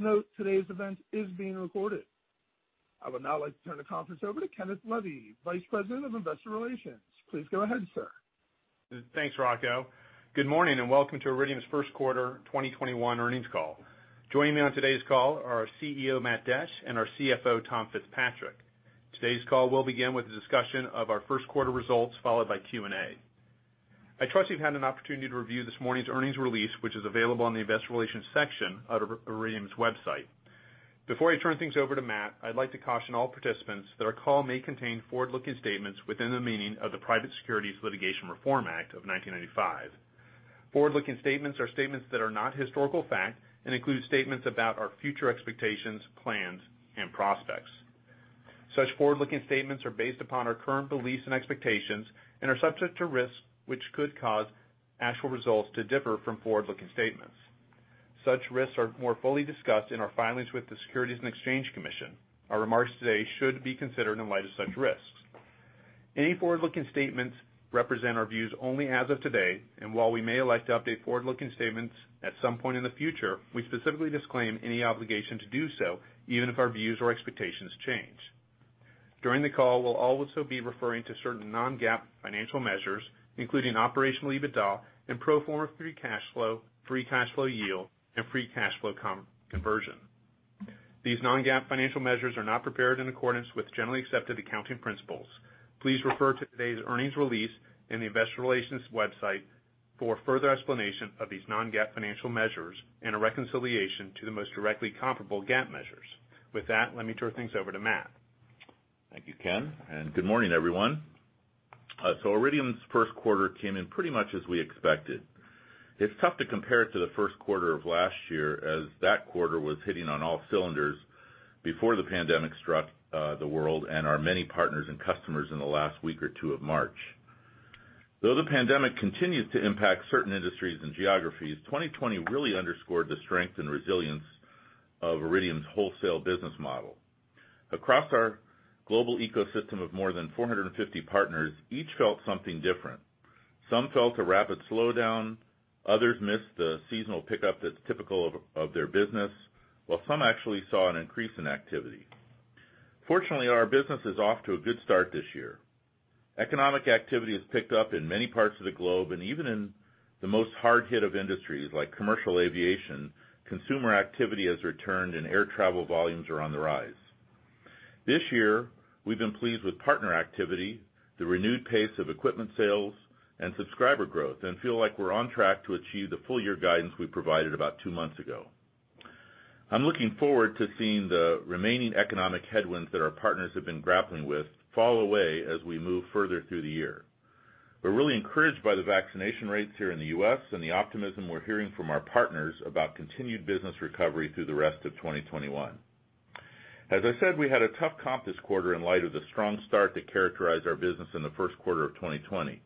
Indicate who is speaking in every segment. Speaker 1: Note, today's event is being recorded. I would now like to turn the conference over to Kenneth Levy, Vice President of Investor Relations, please go ahead, sir.
Speaker 2: Thanks, Rocco. Good morning, and welcome to Iridium's First Quarter 2021 Earnings Call. Joining me on today's call are our CEO, Matt Desch, and our CFO, Tom Fitzpatrick. Today's call will begin with a discussion of our first quarter results, followed by Q&A. I trust you've had an opportunity to review this morning's earnings release, which is available on the investor relations section of Iridium's website. Before I turn things over to Matt, I'd like to caution all participants that our call may contain forward-looking statements within the meaning of the Private Securities Litigation Reform Act of 1995. Forward-looking statements are statements that are not historical fact and include statements about our future expectations, plans, and prospects. Such forward-looking statements are based upon our current beliefs and expectations and are subject to risks which could cause actual results to differ from forward-looking statements. Such risks are more fully discussed in our filings with the Securities and Exchange Commission. Our remarks today should be considered in light of such risks. While we may elect to update forward-looking statements at some point in the future, we specifically disclaim any obligation to do so, even if our views or expectations change. During the call, we'll also be referring to certain non-GAAP financial measures, including Operational EBITDA and Pro Forma Free Cash Flow, Free Cash Flow Yield, and Free Cash Flow Conversion. These non-GAAP financial measures are not prepared in accordance with Generally Accepted Accounting Principles. Please refer to today's earnings release in the investor relations website for a further explanation of these non-GAAP financial measures and a reconciliation to the most directly comparable GAAP measures. With that, let me turn things over to Matt.
Speaker 3: Thank you, Ken, good morning, everyone. Iridium's first quarter came in pretty much as we expected. It's tough to compare it to the first quarter of last year, as that quarter was hitting on all cylinders before the pandemic struck the world and our many partners and customers in the last week or two of March. Though the pandemic continues to impact certain industries and geographies, 2020 really underscored the strength and resilience of Iridium's wholesale business model. Across our global ecosystem of more than 450 partners, each felt something different. Some felt a rapid slowdown, others missed the seasonal pickup that's typical of their business, while some actually saw an increase in activity. Fortunately, our business is off to a good start this year. Economic activity has picked up in many parts of the globe, and even in the most hard-hit of industries, like commercial aviation, consumer activity has returned, and air travel volumes are on the rise. This year, we've been pleased with partner activity, the renewed pace of equipment sales, and subscriber growth, and feel like we're on track to achieve the full-year guidance we provided about two months ago. I'm looking forward to seeing the remaining economic headwinds that our partners have been grappling with fall away as we move further through the year. We're really encouraged by the vaccination rates here in the U.S. and the optimism we're hearing from our partners about continued business recovery through the rest of 2021. As I said, we had a tough comp this quarter in light of the strong start that characterized our business in the first quarter of 2020.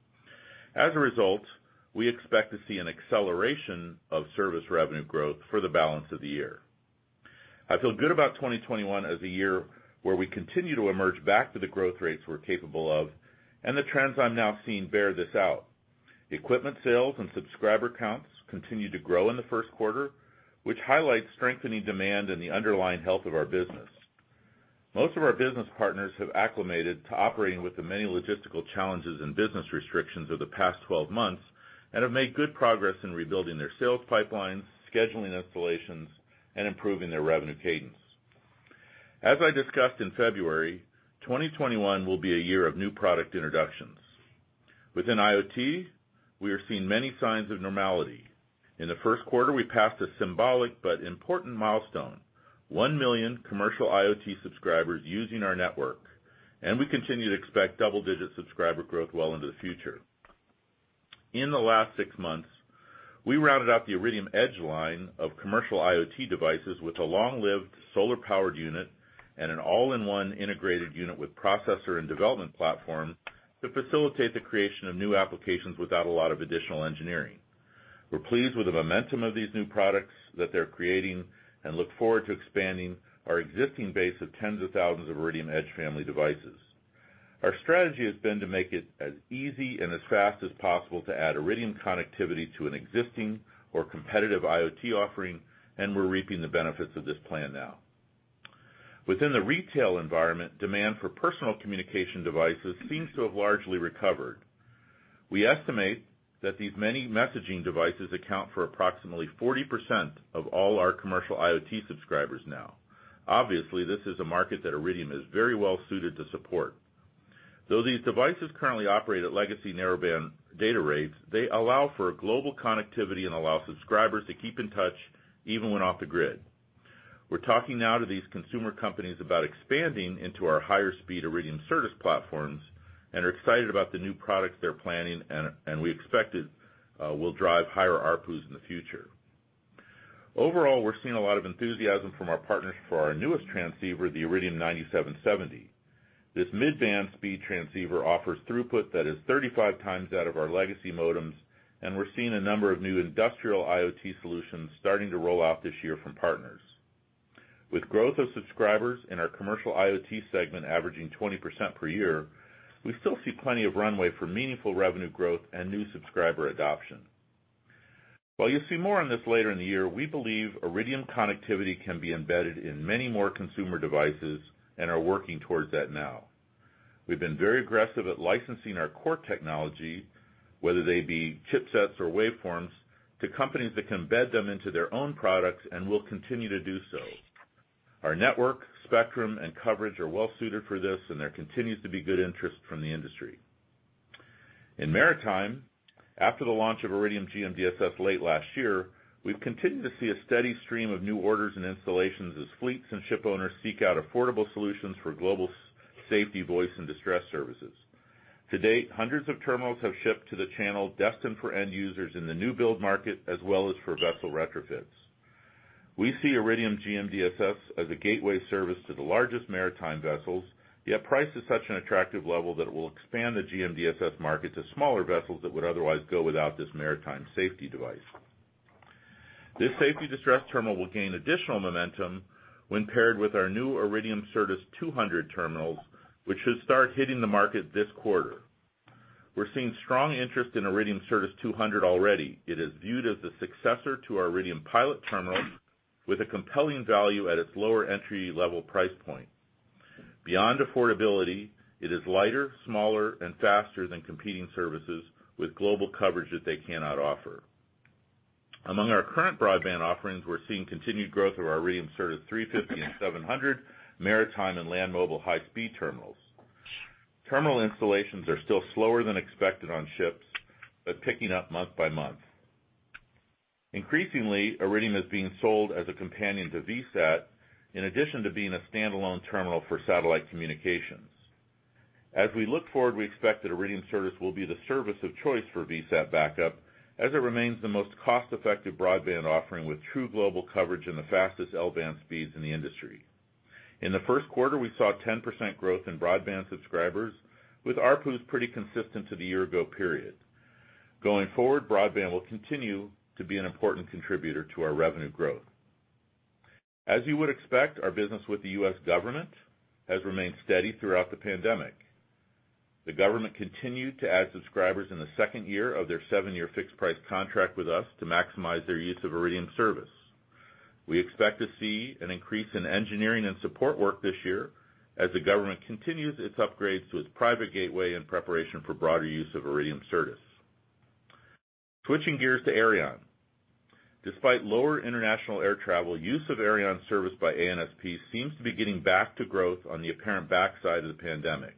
Speaker 3: We expect to see an acceleration of service revenue growth for the balance of the year. I feel good about 2021 as a year where we continue to emerge back to the growth rates we're capable of. The trends I'm now seeing bear this out. Equipment sales and subscriber counts continued to grow in the first quarter, which highlights strengthening demand in the underlying health of our business. Most of our business partners have acclimated to operating with the many logistical challenges and business restrictions of the past 12 months and have made good progress in rebuilding their sales pipelines, scheduling installations, and improving their revenue cadence. As I discussed in February, 2021 will be a year of new product introductions. Within IoT, we are seeing many signs of normality. In the first quarter, we passed a symbolic but important milestone: 1 million commercial IoT subscribers using our network, and we continue to expect double-digit subscriber growth well into the future. In the last six months, we rounded out the Iridium Edge line of commercial IoT devices with a long-lived solar-powered unit and an all-in-one integrated unit with processor and development platform to facilitate the creation of new applications without a lot of additional engineering. We're pleased with the momentum of these new products that they're creating and look forward to expanding our existing base of tens of thousands of Iridium Edge family devices. Our strategy has been to make it as easy and as fast as possible to add Iridium connectivity to an existing or competitive IoT offering, and we're reaping the benefits of this plan now. Within the retail environment, demand for personal communication devices seems to have largely recovered. We estimate that these many messaging devices account for approximately 40% of all our commercial IoT subscribers now. Obviously, this is a market that Iridium is very well-suited to support. Though these devices currently operate at legacy narrowband data rates, they allow for global connectivity and allow subscribers to keep in touch even when off the grid. We're talking now to these consumer companies about expanding into our higher-speed Iridium service platforms and are excited about the new products they're planning, and we expect it will drive higher ARPU in the future. Overall, we're seeing a lot of enthusiasm from our partners for our newest transceiver, the Iridium 9770. This mid-band speed transceiver offers throughput that is 35 times that of our legacy modems, and we're seeing a number of new industrial IoT solutions starting to roll out this year from partners. With growth of subscribers in our commercial IoT segment averaging 20% per year, we still see plenty of runway for meaningful revenue growth and new subscriber adoption. While you'll see more on this later in the year, we believe Iridium connectivity can be embedded in many more consumer devices and are working towards that now. We've been very aggressive at licensing our core technology, whether they be chipsets or waveforms, to companies that can embed them into their own products, and will continue to do so. Our network, spectrum, and coverage are well-suited for this, and there continues to be good interest from the industry. In maritime, after the launch of Iridium GMDSS late last year, we've continued to see a steady stream of new orders and installations as fleets and ship owners seek out affordable solutions for global safety voice and distress services. To date, hundreds of terminals have shipped to the channel destined for end users in the new build market, as well as for vessel retrofits. We see Iridium GMDSS as a gateway service to the largest maritime vessels, yet priced at such an attractive level that it will expand the GMDSS market to smaller vessels that would otherwise go without this maritime safety device. This safety distress terminal will gain additional momentum when paired with our new Iridium Certus 200 terminals, which should start hitting the market this quarter. We're seeing strong interest in Iridium Certus 200 already. It is viewed as the successor to our Iridium Pilot terminal with a compelling value at its lower entry-level price point. Beyond affordability, it is lighter, smaller, and faster than competing services, with global coverage that they cannot offer. Among our current broadband offerings, we're seeing continued growth of our Iridium Certus 350 and 700 maritime and land mobile high-speed terminals. Terminal installations are still slower than expected on ships, but picking up month-by-month. Increasingly, Iridium is being sold as a companion to VSAT, in addition to being a standalone terminal for satellite communications. As we look forward, we expect that Iridium Certus will be the service of choice for VSAT backup, as it remains the most cost-effective broadband offering with true global coverage and the fastest L-band speeds in the industry. In the first quarter, we saw 10% growth in broadband subscribers, with ARPUs pretty consistent to the year-ago period. Going forward, broadband will continue to be an important contributor to our revenue growth. As you would expect, our business with the U.S. government has remained steady throughout the pandemic. The government continued to add subscribers in the second year of their seven-year fixed-price contract with us to maximize their use of Iridium service. We expect to see an increase in engineering and support work this year, as the government continues its upgrades to its private gateway in preparation for broader use of Iridium Certus. Switching gears to Aireon, despite lower international air travel, use of Aireon service by ANSPs seems to be getting back to growth on the apparent backside of the pandemic.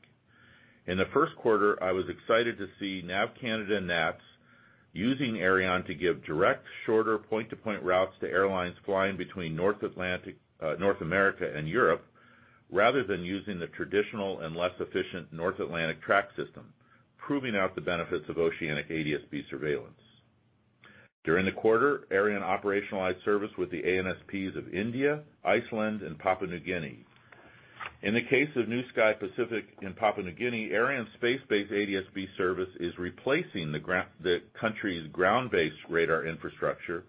Speaker 3: In the first quarter, I was excited to see NAV CANADA and NATS using Aireon to give direct, shorter point-to-point routes to airlines flying between North America and Europe, rather than using the traditional and less efficient North Atlantic track system, proving out the benefits of oceanic ADS-B surveillance. During the quarter, Aireon operationalized service with the ANSPs of India, Iceland, and Papua New Guinea. In the case of NiuSky Pacific in Papua New Guinea, Aireon's space-based ADS-B service is replacing the country's ground-based radar infrastructure,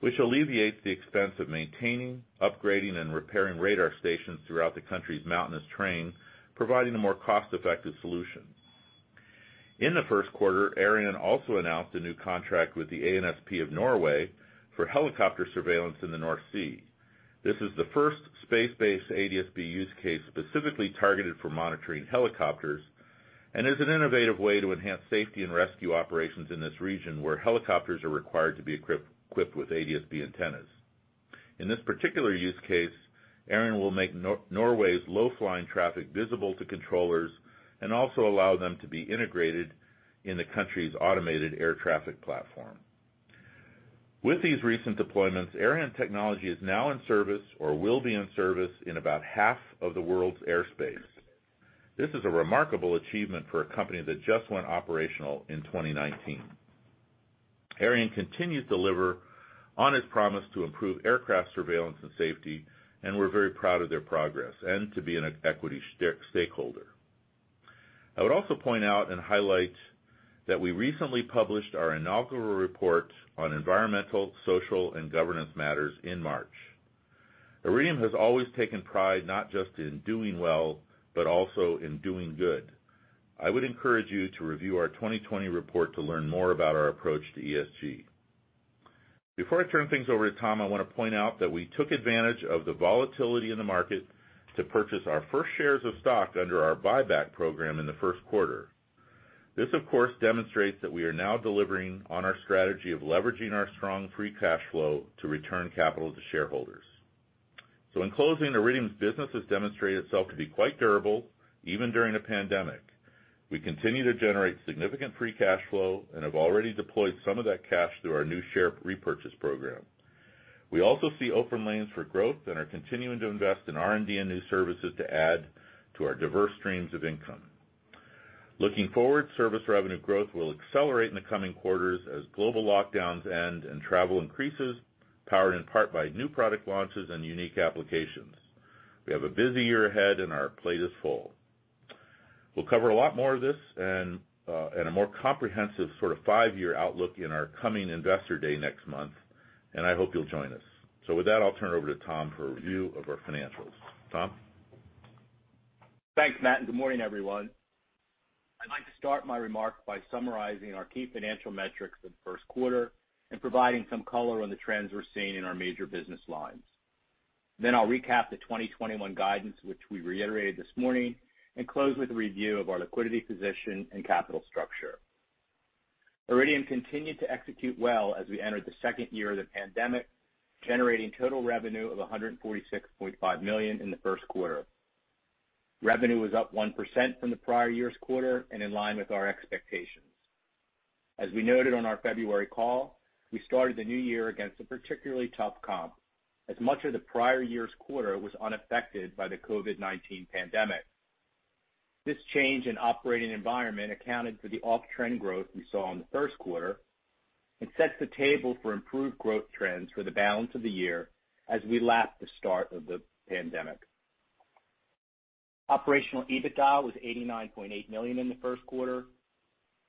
Speaker 3: which alleviates the expense of maintaining, upgrading, and repairing radar stations throughout the country's mountainous terrain, providing a more cost-effective solution. In the first quarter, Aireon also announced a new contract with the ANSP of Norway for helicopter surveillance in the North Sea. This is the first space-based ADS-B use case specifically targeted for monitoring helicopters and is an innovative way to enhance safety and rescue operations in this region, where helicopters are required to be equipped with ADS-B antennas. In this particular use case, Aireon will make Norway's low-flying traffic visible to controllers and also allow them to be integrated in the country's automated air traffic platform. With these recent deployments, Aireon technology is now in service or will be in service in about half of the world's airspace. This is a remarkable achievement for a company that just went operational in 2019. Aireon continues to deliver on its promise to improve aircraft surveillance and safety, and we're very proud of their progress and to be an equity stakeholder. I would also point out and highlight that we recently published our inaugural report on environmental, social, and governance matters in March. Aireon has always taken pride not just in doing well, but also in doing good. I would encourage you to review our 2020 report to learn more about our approach to ESG. Before I turn things over to Tom, I want to point out that we took advantage of the volatility in the market to purchase our first shares of stock under our buyback program in the first quarter. This, of course, demonstrates that we are now delivering on our strategy of leveraging our strong free cash flow to return capital to shareholders. In closing, Iridium's business has demonstrated itself to be quite durable, even during a pandemic. We continue to generate significant free cash flow and have already deployed some of that cash through our new share repurchase program. We also see open lanes for growth and are continuing to invest in R&D and new services to add to our diverse streams of income. Looking forward, service revenue growth will accelerate in the coming quarters as global lockdowns end and travel increases, powered in part by new product launches and unique applications. We have a busy year ahead, and our plate is full. We'll cover a lot more of this and a more comprehensive sort of five-year outlook in our coming investor day next month, and I hope you'll join us. With that, I'll turn it over to Tom for a review of our financials, Tom?
Speaker 4: Thanks, Matt, good morning, everyone. I'd like to start my remarks by summarizing our key financial metrics for the first quarter and providing some color on the trends we're seeing in our major business lines. I'll recap the 2021 guidance, which we reiterated this morning, and close with a review of our liquidity position and capital structure. Iridium continued to execute well as we entered the second year of the pandemic, generating total revenue of $146.5 million in the first quarter. Revenue was up 1% from the prior-year's quarter and in line with our expectations. As we noted on our February call, we started the new year against a particularly tough comp, as much of the prior-year's quarter was unaffected by the COVID-19 pandemic. This change in operating environment accounted for the off-trend growth we saw in the first quarter and sets the table for improved growth trends for the balance of the year as we lap the start of the pandemic. Operational EBITDA was $89.8 million in the first quarter.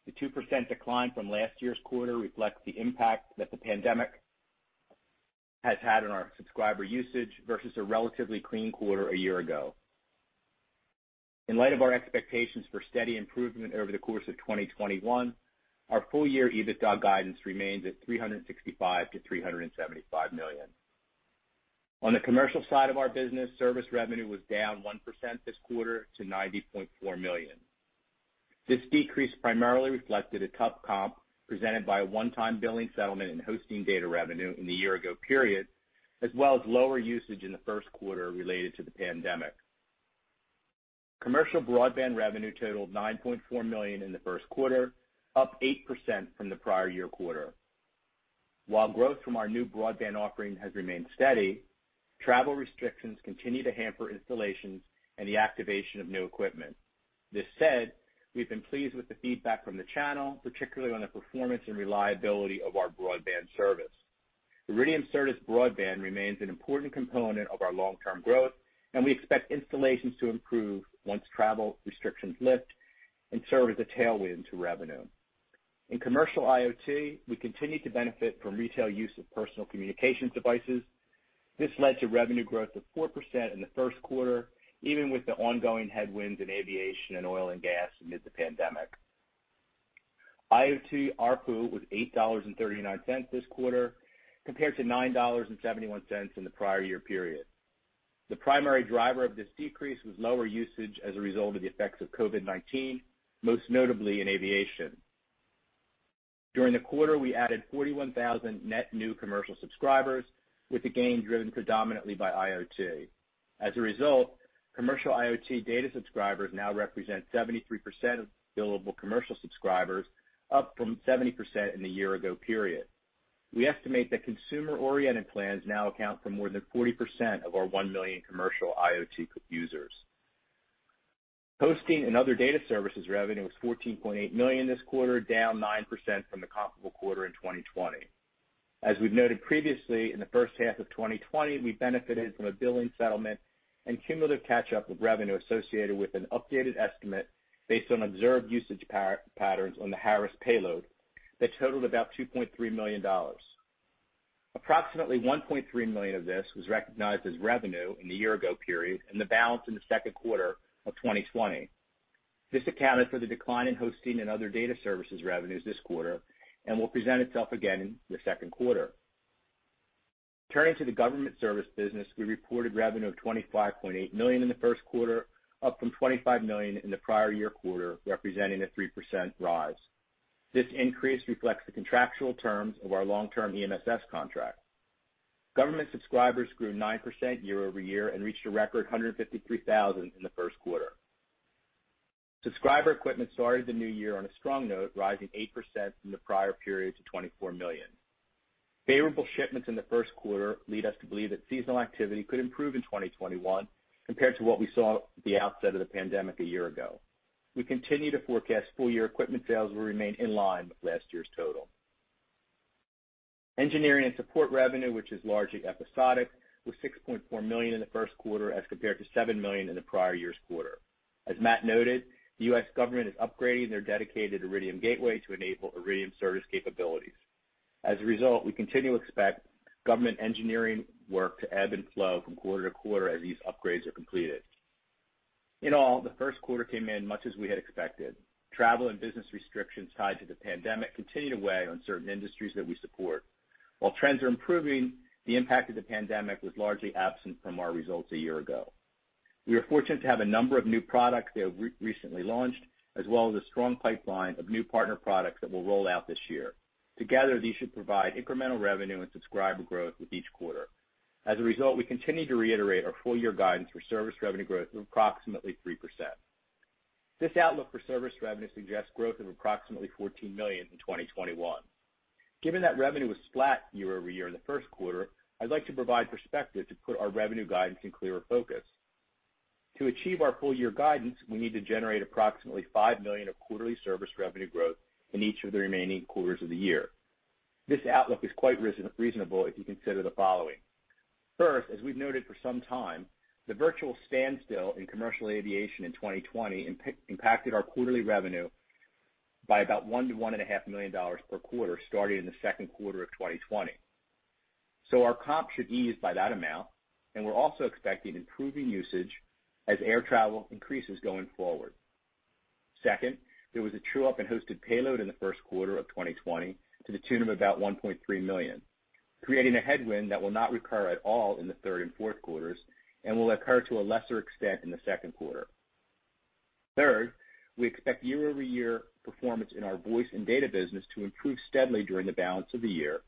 Speaker 4: The 2% decline from last year's quarter reflects the impact that the pandemic has had on our subscriber usage versus a relatively clean quarter a year ago. In light of our expectations for steady improvement over the course of 2021, our full-year EBITDA guidance remains at $365 million-$375 million. On the commercial side of our business, service revenue was down 1% this quarter to $90.4 million. This decrease primarily reflected a tough comp presented by a one-time billing settlement and hosting data revenue in the year-ago period, as well as lower usage in the first quarter related to the pandemic. Commercial broadband revenue totaled $9.4 million in the first quarter, up 8% from the prior-year quarter. While growth from our new broadband offering has remained steady, travel restrictions continue to hamper installations and the activation of new equipment. This said, we've been pleased with the feedback from the channel, particularly on the performance and reliability of our broadband service. Iridium Certus broadband remains an important component of our long-term growth, and we expect installations to improve once travel restrictions lift and serve as a tailwind to revenue. In commercial IoT, we continue to benefit from retail use of personal communications devices. This led to revenue growth of 4% in the first quarter, even with the ongoing headwinds in aviation and oil and gas amid the pandemic. IoT ARPU was $8.39 this quarter, compared to $9.71 in the prior-year period. The primary driver of this decrease was lower usage as a result of the effects of COVID-19, most notably in aviation. During the quarter, we added 41,000 net new commercial subscribers, with the gain driven predominantly by IoT. As a result, commercial IoT data subscribers now represent 73% of billable commercial subscribers, up from 70% in the year-ago period. We estimate that consumer-oriented plans now account for more than 40% of our 1 million commercial IoT users. Hosting and other data services revenue was $14.8 million this quarter, down 9% from the comparable quarter in 2020. In the first half of 2020, we benefited from a billing settlement and cumulative catch-up of revenue associated with an updated estimate based on observed usage patterns on the Harris payload that totaled about $2.3 million. Approximately $1.3 million of this was recognized as revenue in the year-ago period and the balance in the second quarter of 2020. This accounted for the decline in hosting and other data services revenues this quarter and will present itself again in the second quarter. Turning to the government service business, we reported revenue of $25.8 million in the first quarter, up from $25 million in the prior-year quarter, representing a 3% rise. This increase reflects the contractual terms of our long-term EMSS contract. Government subscribers grew 9% year-over-year and reached a record 153,000 in the first quarter. Subscriber equipment started the new year on a strong note, rising 8% from the prior period to $24 million. Favorable shipments in the first quarter lead us to believe that seasonal activity could improve in 2021 compared to what we saw at the outset of the pandemic a year ago. We continue to forecast full-year equipment sales will remain in line with last year's total. Engineering and support revenue, which is largely episodic, was $6.4 million in the first quarter as compared to $7 million in the prior-year's quarter. As Matt noted, the U.S. government is upgrading their dedicated Iridium gateway to enable Iridium service capabilities. As a result, we continue to expect government engineering work to ebb and flow from quarter to quarter as these upgrades are completed. In all, the first quarter came in much as we had expected. Travel and business restrictions tied to the pandemic continue to weigh on certain industries that we support. While trends are improving, the impact of the pandemic was largely absent from our results a year ago. We are fortunate to have a number of new products that have recently launched, as well as a strong pipeline of new partner products that will roll out this year. Together, these should provide incremental revenue and subscriber growth with each quarter. As a result, we continue to reiterate our full-year guidance for service revenue growth of approximately 3%. This outlook for service revenue suggests growth of approximately $14 million in 2021. Given that revenue was flat year-over-year in the first quarter, I'd like to provide perspective to put our revenue guidance in clearer focus. To achieve our full-year guidance, we need to generate approximately $5 million of quarterly service revenue growth in each of the remaining quarters of the year. This outlook is quite reasonable if you consider the following. First, as we've noted for some time, the virtual standstill in commercial aviation in 2020 impacted our quarterly revenue by about $1 million-$1.5 million per quarter, starting in the second quarter of 2020. Our comp should ease by that amount, and we're also expecting improving usage as air travel increases going forward. Second, there was a true-up in hosted payload in the first quarter of 2020 to the tune of about $1.3 million, creating a headwind that will not recur at all in the third and fourth quarters and will occur to a lesser extent in the second quarter. Third, we expect year-over-year performance in our voice and data business to improve steadily during the balance of the year,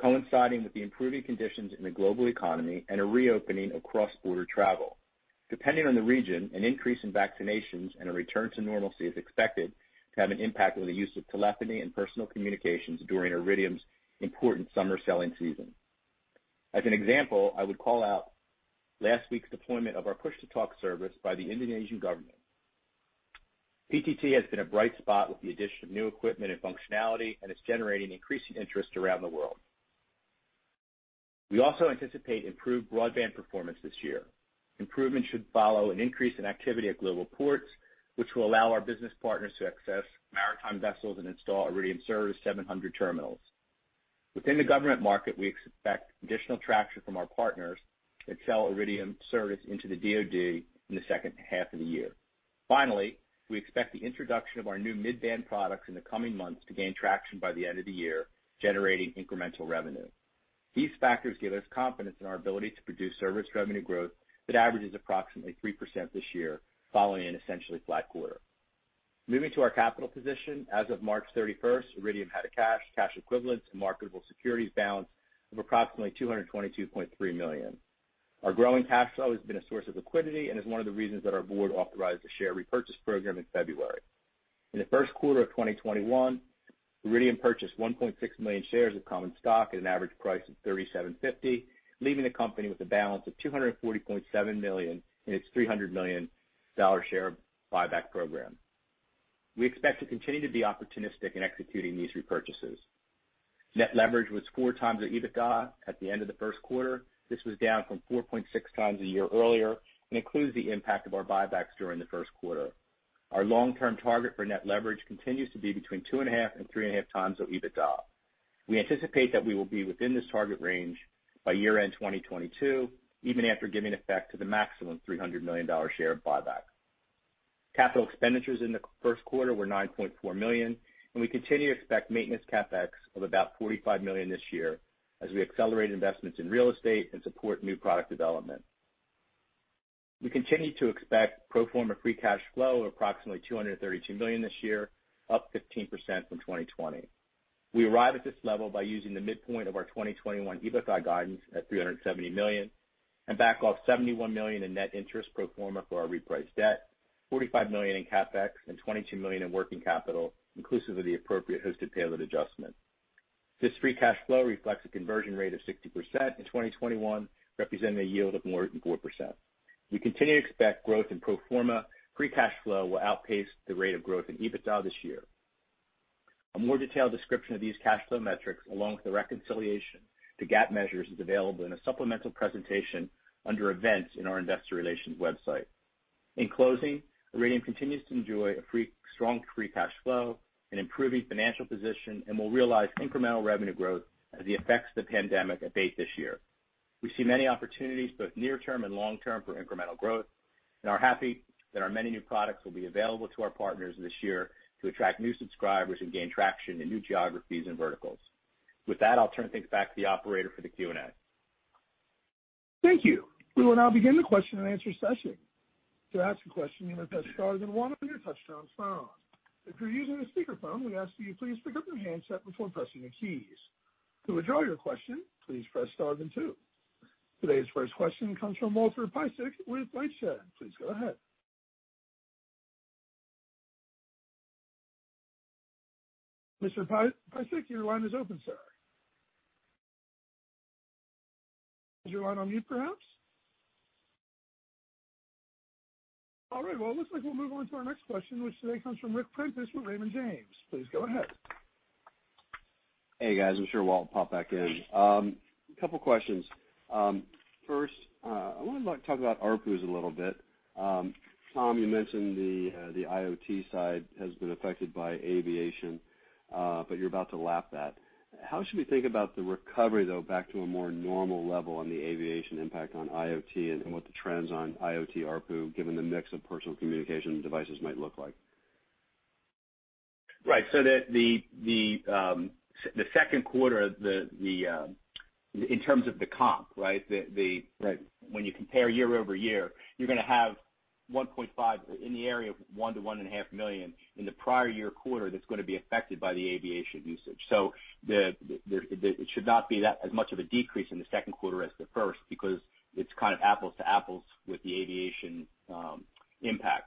Speaker 4: coinciding with the improving conditions in the global economy and a reopening of cross-border travel. Depending on the region, an increase in vaccinations and a return to normalcy is expected to have an impact on the use of telephony and personal communications during Iridium's important summer selling season. As an example, I would call out last week's deployment of our push-to-talk service by the Indonesian government. PTT has been a bright spot with the addition of new equipment and functionality, and it's generating increasing interest around the world. We also anticipate improved broadband performance this year. Improvement should follow an increase in activity at global ports, which will allow our business partners to access maritime vessels and install Iridium Certus 700 terminals. Within the government market, we expect additional traction from our partners that sell Iridium service into the DoD in the second half of the year. Finally, we expect the introduction of our new mid-band products in the coming months to gain traction by the end of the year, generating incremental revenue. These factors give us confidence in our ability to produce service revenue growth that averages approximately 3% this year, following an essentially flat quarter. Moving to our capital position, as of March 31st, Iridium had a cash equivalents, and marketable securities balance of approximately $222.3 million. Our growing cash flow has been a source of liquidity and is one of the reasons that our board authorized a share repurchase program in February. In the first quarter of 2021, Iridium purchased 1.6 million shares of common stock at an average price of $37.50, leaving the company with a balance of $240.7 million in its $300 million share buyback program. We expect to continue to be opportunistic in executing these repurchases. Net leverage was 4x the EBITDA at the end of the first quarter. This was down from 4.6x a year earlier and includes the impact of our buybacks during the first quarter. Our long-term target for net leverage continues to be between 2.5x and 3.5x of EBITDA. We anticipate that we will be within this target range by year-end 2022, even after giving effect to the maximum $300 million share buyback. Capital expenditures in the first quarter were $9.4 million, and we continue to expect maintenance CapEx of about $45 million this year as we accelerate investments in real estate and support new product development. We continue to expect Pro Forma Free Cash Flow of approximately $232 million this year, up 15% from 2020. We arrive at this level by using the midpoint of our 2021 EBITDA guidance at $370 million and back off $71 million in net interest pro forma for our repriced debt, $45 million in CapEx and $22 million in working capital, inclusive of the appropriate hosted payload adjustment. This free cash flow reflects a conversion rate of 60% in 2021, representing a yield of more than 4%. We continue to expect growth in pro forma free cash flow will outpace the rate of growth in EBITDA this year. A more detailed description of these cash flow metrics, along with the reconciliation to GAAP measures, is available in a supplemental presentation under Events in our investor relations website. In closing, Iridium continues to enjoy a strong free cash flow, an improving financial position, and will realize incremental revenue growth as the effects of the pandemic abate this year. We see many opportunities, both near-term and long-term, for incremental growth and are happy that our many new products will be available to our partners this year to attract new subscribers and gain traction in new geographies and verticals. With that, I'll turn things back to the operator for the Q&A.
Speaker 1: Thank you, we will now begin the question-and-answer session. To ask a question, you may press star then one on your touchtone phone. If you're using a speakerphone, we ask that you please pick up your handset before pressing the keys. To withdraw your question, please press star then two. Today's first question comes from Walter Piecyk with LightShed Partners. Please go ahead. Mr. Piecyk, your line is open, sir. Is your line on mute, perhaps? All right, well, it looks like we'll move on to our next question, which today comes from Ric Prentiss with Raymond James, please go ahead.
Speaker 5: Hey, guys. I'm sure Walt will pop back in. Couple questions. First, I wanted to talk about ARPUs a little bit. Tom, you mentioned the IoT side has been affected by aviation, but you're about to lap that. How should we think about the recovery, though, back to a more normal level on the aviation impact on IoT and what the trends on IoT ARPU, given the mix of personal communication devices might look like?
Speaker 4: Right, the second quarter, in terms of the comp, right? When you compare year-over-year, you're going to have $1.5 million, in the area of $1 million-$1.5 million in the prior-year quarter that's going to be affected by the aviation usage. It should not be as much of a decrease in the second quarter as the first because it's kind of apples to apples with the aviation impact.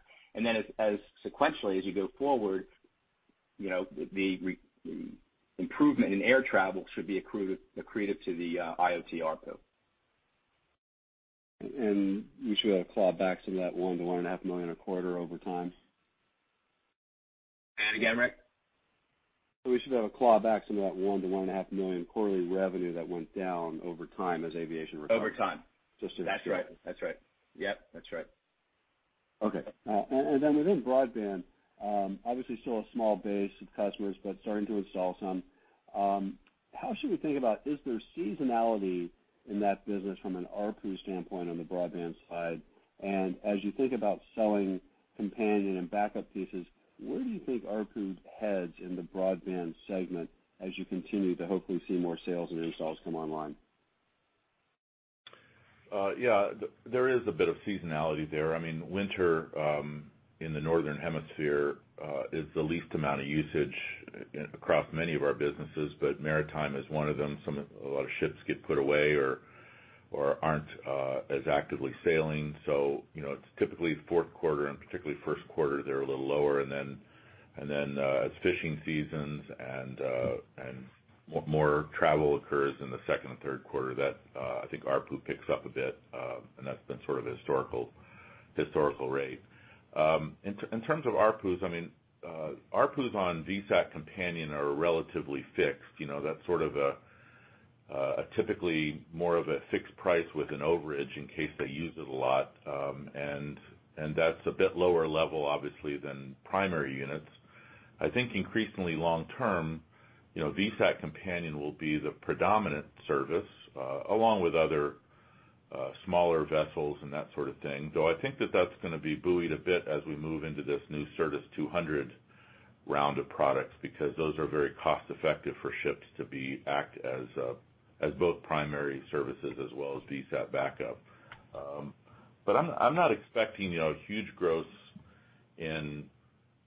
Speaker 4: As sequentially, as you go forward, the improvement in air travel should be accretive to the IoT ARPU.
Speaker 5: We should claw back some of that $1 million-$1.5 million a quarter over time?
Speaker 4: Say that again, Ric.
Speaker 5: We should have a claw back some of that $1 million-$1.5 million quarterly revenue that went down over time as aviation recovered.
Speaker 4: Over time.
Speaker 5: Just to-
Speaker 4: That's right, yep, that's right.
Speaker 5: Okay, then within broadband, obviously still a small base of customers, but starting to install some. Is there seasonality in that business from an ARPU standpoint on the broadband side? As you think about selling companion and backup pieces, where do you think ARPU heads in the broadband segment as you continue to hopefully see more sales and installs come online?
Speaker 3: Yeah, there is a bit of seasonality there. Winter in the northern hemisphere is the least amount of usage across many of our businesses, but maritime is one of them. A lot of ships get put away or aren't as actively sailing. It's typically fourth quarter, and particularly first quarter, they're a little lower. As fishing seasons and more travel occurs in the second and third quarter, that ARPU picks up a bit, and that's been sort of the historical rate. In terms of ARPUs on VSAT companion are relatively fixed. That's sort of a typically, more of a fixed price with an overage in case they use it a lot. That's a bit lower level, obviously, than primary units. I think increasingly long term, VSAT companion will be the predominant service, along with other smaller vessels and that sort of thing. I think that that's going to be buoyed a bit as we move into this new Certus 200 round of products, because those are very cost-effective for ships to act as both primary services as well as VSAT backup. I'm not expecting huge growths in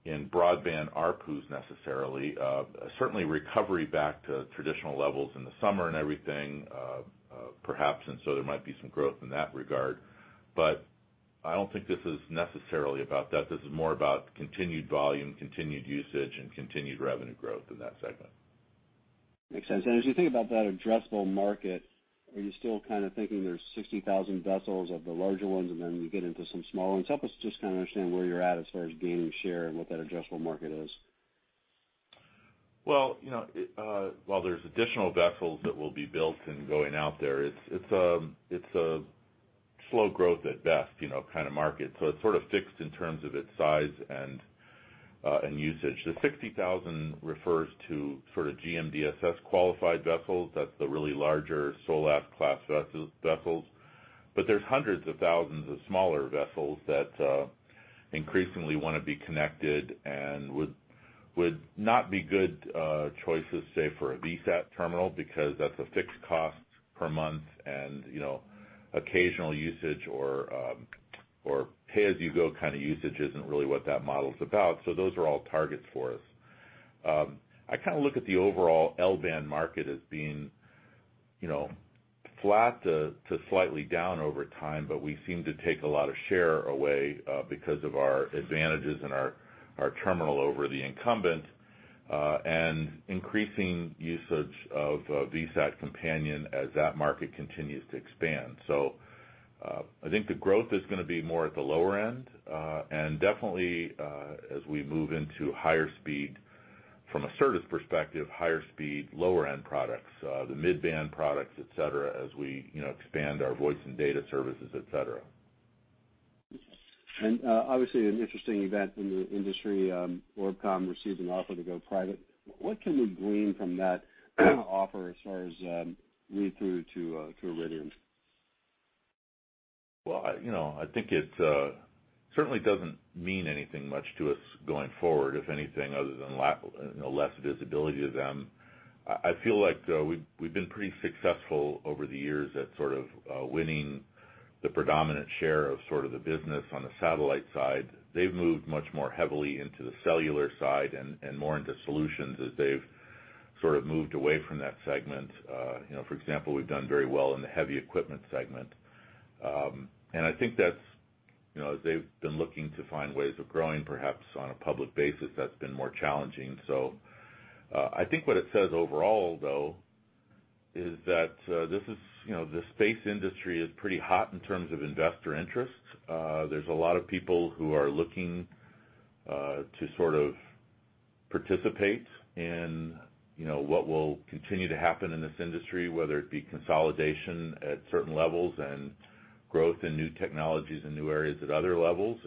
Speaker 3: broadband ARPUs necessarily. Certainly, recovery back to traditional levels in the summer and everything, perhaps, there might be some growth in that regard. I don't think this is necessarily about that. This is more about continued volume, continued usage, and continued revenue growth in that segment.
Speaker 5: Makes sense, as you think about that addressable market, are you still kind of thinking there's 60,000 vessels of the larger ones, and then you get into some smaller ones? Help us just kind of understand where you're at as far as gaining share and what that addressable market is.
Speaker 3: Well, while there's additional vessels that will be built and going out there, it's a slow growth at best kind of market. It's sort of fixed in terms of its size and usage. The 60,000 refers to sort of GMDSS-qualified vessels. That's the really larger SOLAS class vessels. There's hundreds of thousands of smaller vessels that increasingly wanna be connected and would not be good choices, say, for a VSAT terminal, because that's a fixed cost per month, and occasional usage or pay-as-you-go kind of usage isn't really what that model's about. Those are all targets for us. I look at the overall L-band market as being flat to slightly down over time, but we seem to take a lot of share away because of our advantages and our terminal over the incumbent, and increasing usage of VSAT companion as that market continues to expand. I think the growth is going to be more at the lower end. Definitely, as we move into higher speed, from a Certus perspective, higher speed, lower end products, the mid-band products, et cetera, as we expand our voice and data services, et cetera.
Speaker 5: Obviously, an interesting event in the industry, ORBCOMM receives an offer to go private. What can we glean from that kind of offer as far as read through to Iridium?
Speaker 3: I think it certainly doesn't mean anything much to us going forward, if anything, other than less visibility to them. I feel like we've been pretty successful over the years at sort of winning the predominant share of the business on the satellite side. They've moved much more heavily into the cellular side and more into solutions as they've sort of moved away from that segment. For example, we've done very well in the heavy equipment segment. I think as they've been looking to find ways of growing, perhaps, on a public basis, that's been more challenging. I think what it says overall, though, is that the space industry is pretty hot in terms of investor interest. There's a lot of people who are looking to sort of participate in what will continue to happen in this industry, whether it be consolidation at certain levels and growth in new technologies and new areas at other levels.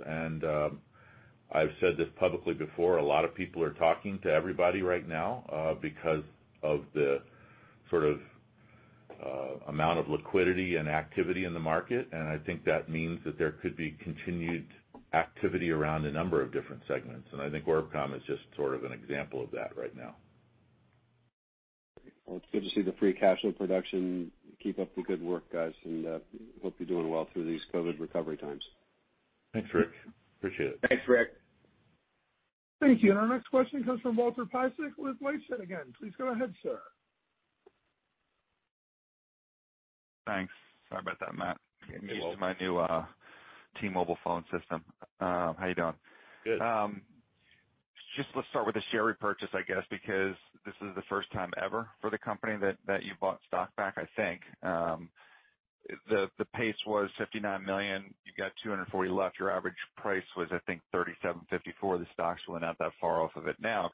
Speaker 3: I've said this publicly before, a lot of people are talking to everybody right now because of the amount of liquidity and activity in the market, and I think that means that there could be continued activity around a number of different segments. I think ORBCOMM is just sort of an example of that right now.
Speaker 5: Well, it's good to see the free cash flow production. Keep up the good work, guys, and hope you're doing well through these COVID recovery times.
Speaker 3: Thanks, Ric, appreciate it.
Speaker 4: Thanks, Ric.
Speaker 1: Thank you, our next question comes from Walter Piecyk with LightShed Partners again, please go ahead, sir.
Speaker 6: Thanks, sorry about that, Matt.
Speaker 3: You're welcome.
Speaker 6: Getting used to my new T-Mobile phone system, how you doing?
Speaker 3: Good.
Speaker 6: Just let's start with the share repurchase, I guess, because this is the first time ever for the company that you bought stock back, I think. The pace was $59 million, you've got $240 left. Your average price was, I think, $37.54. The stocks were not that far off of it now.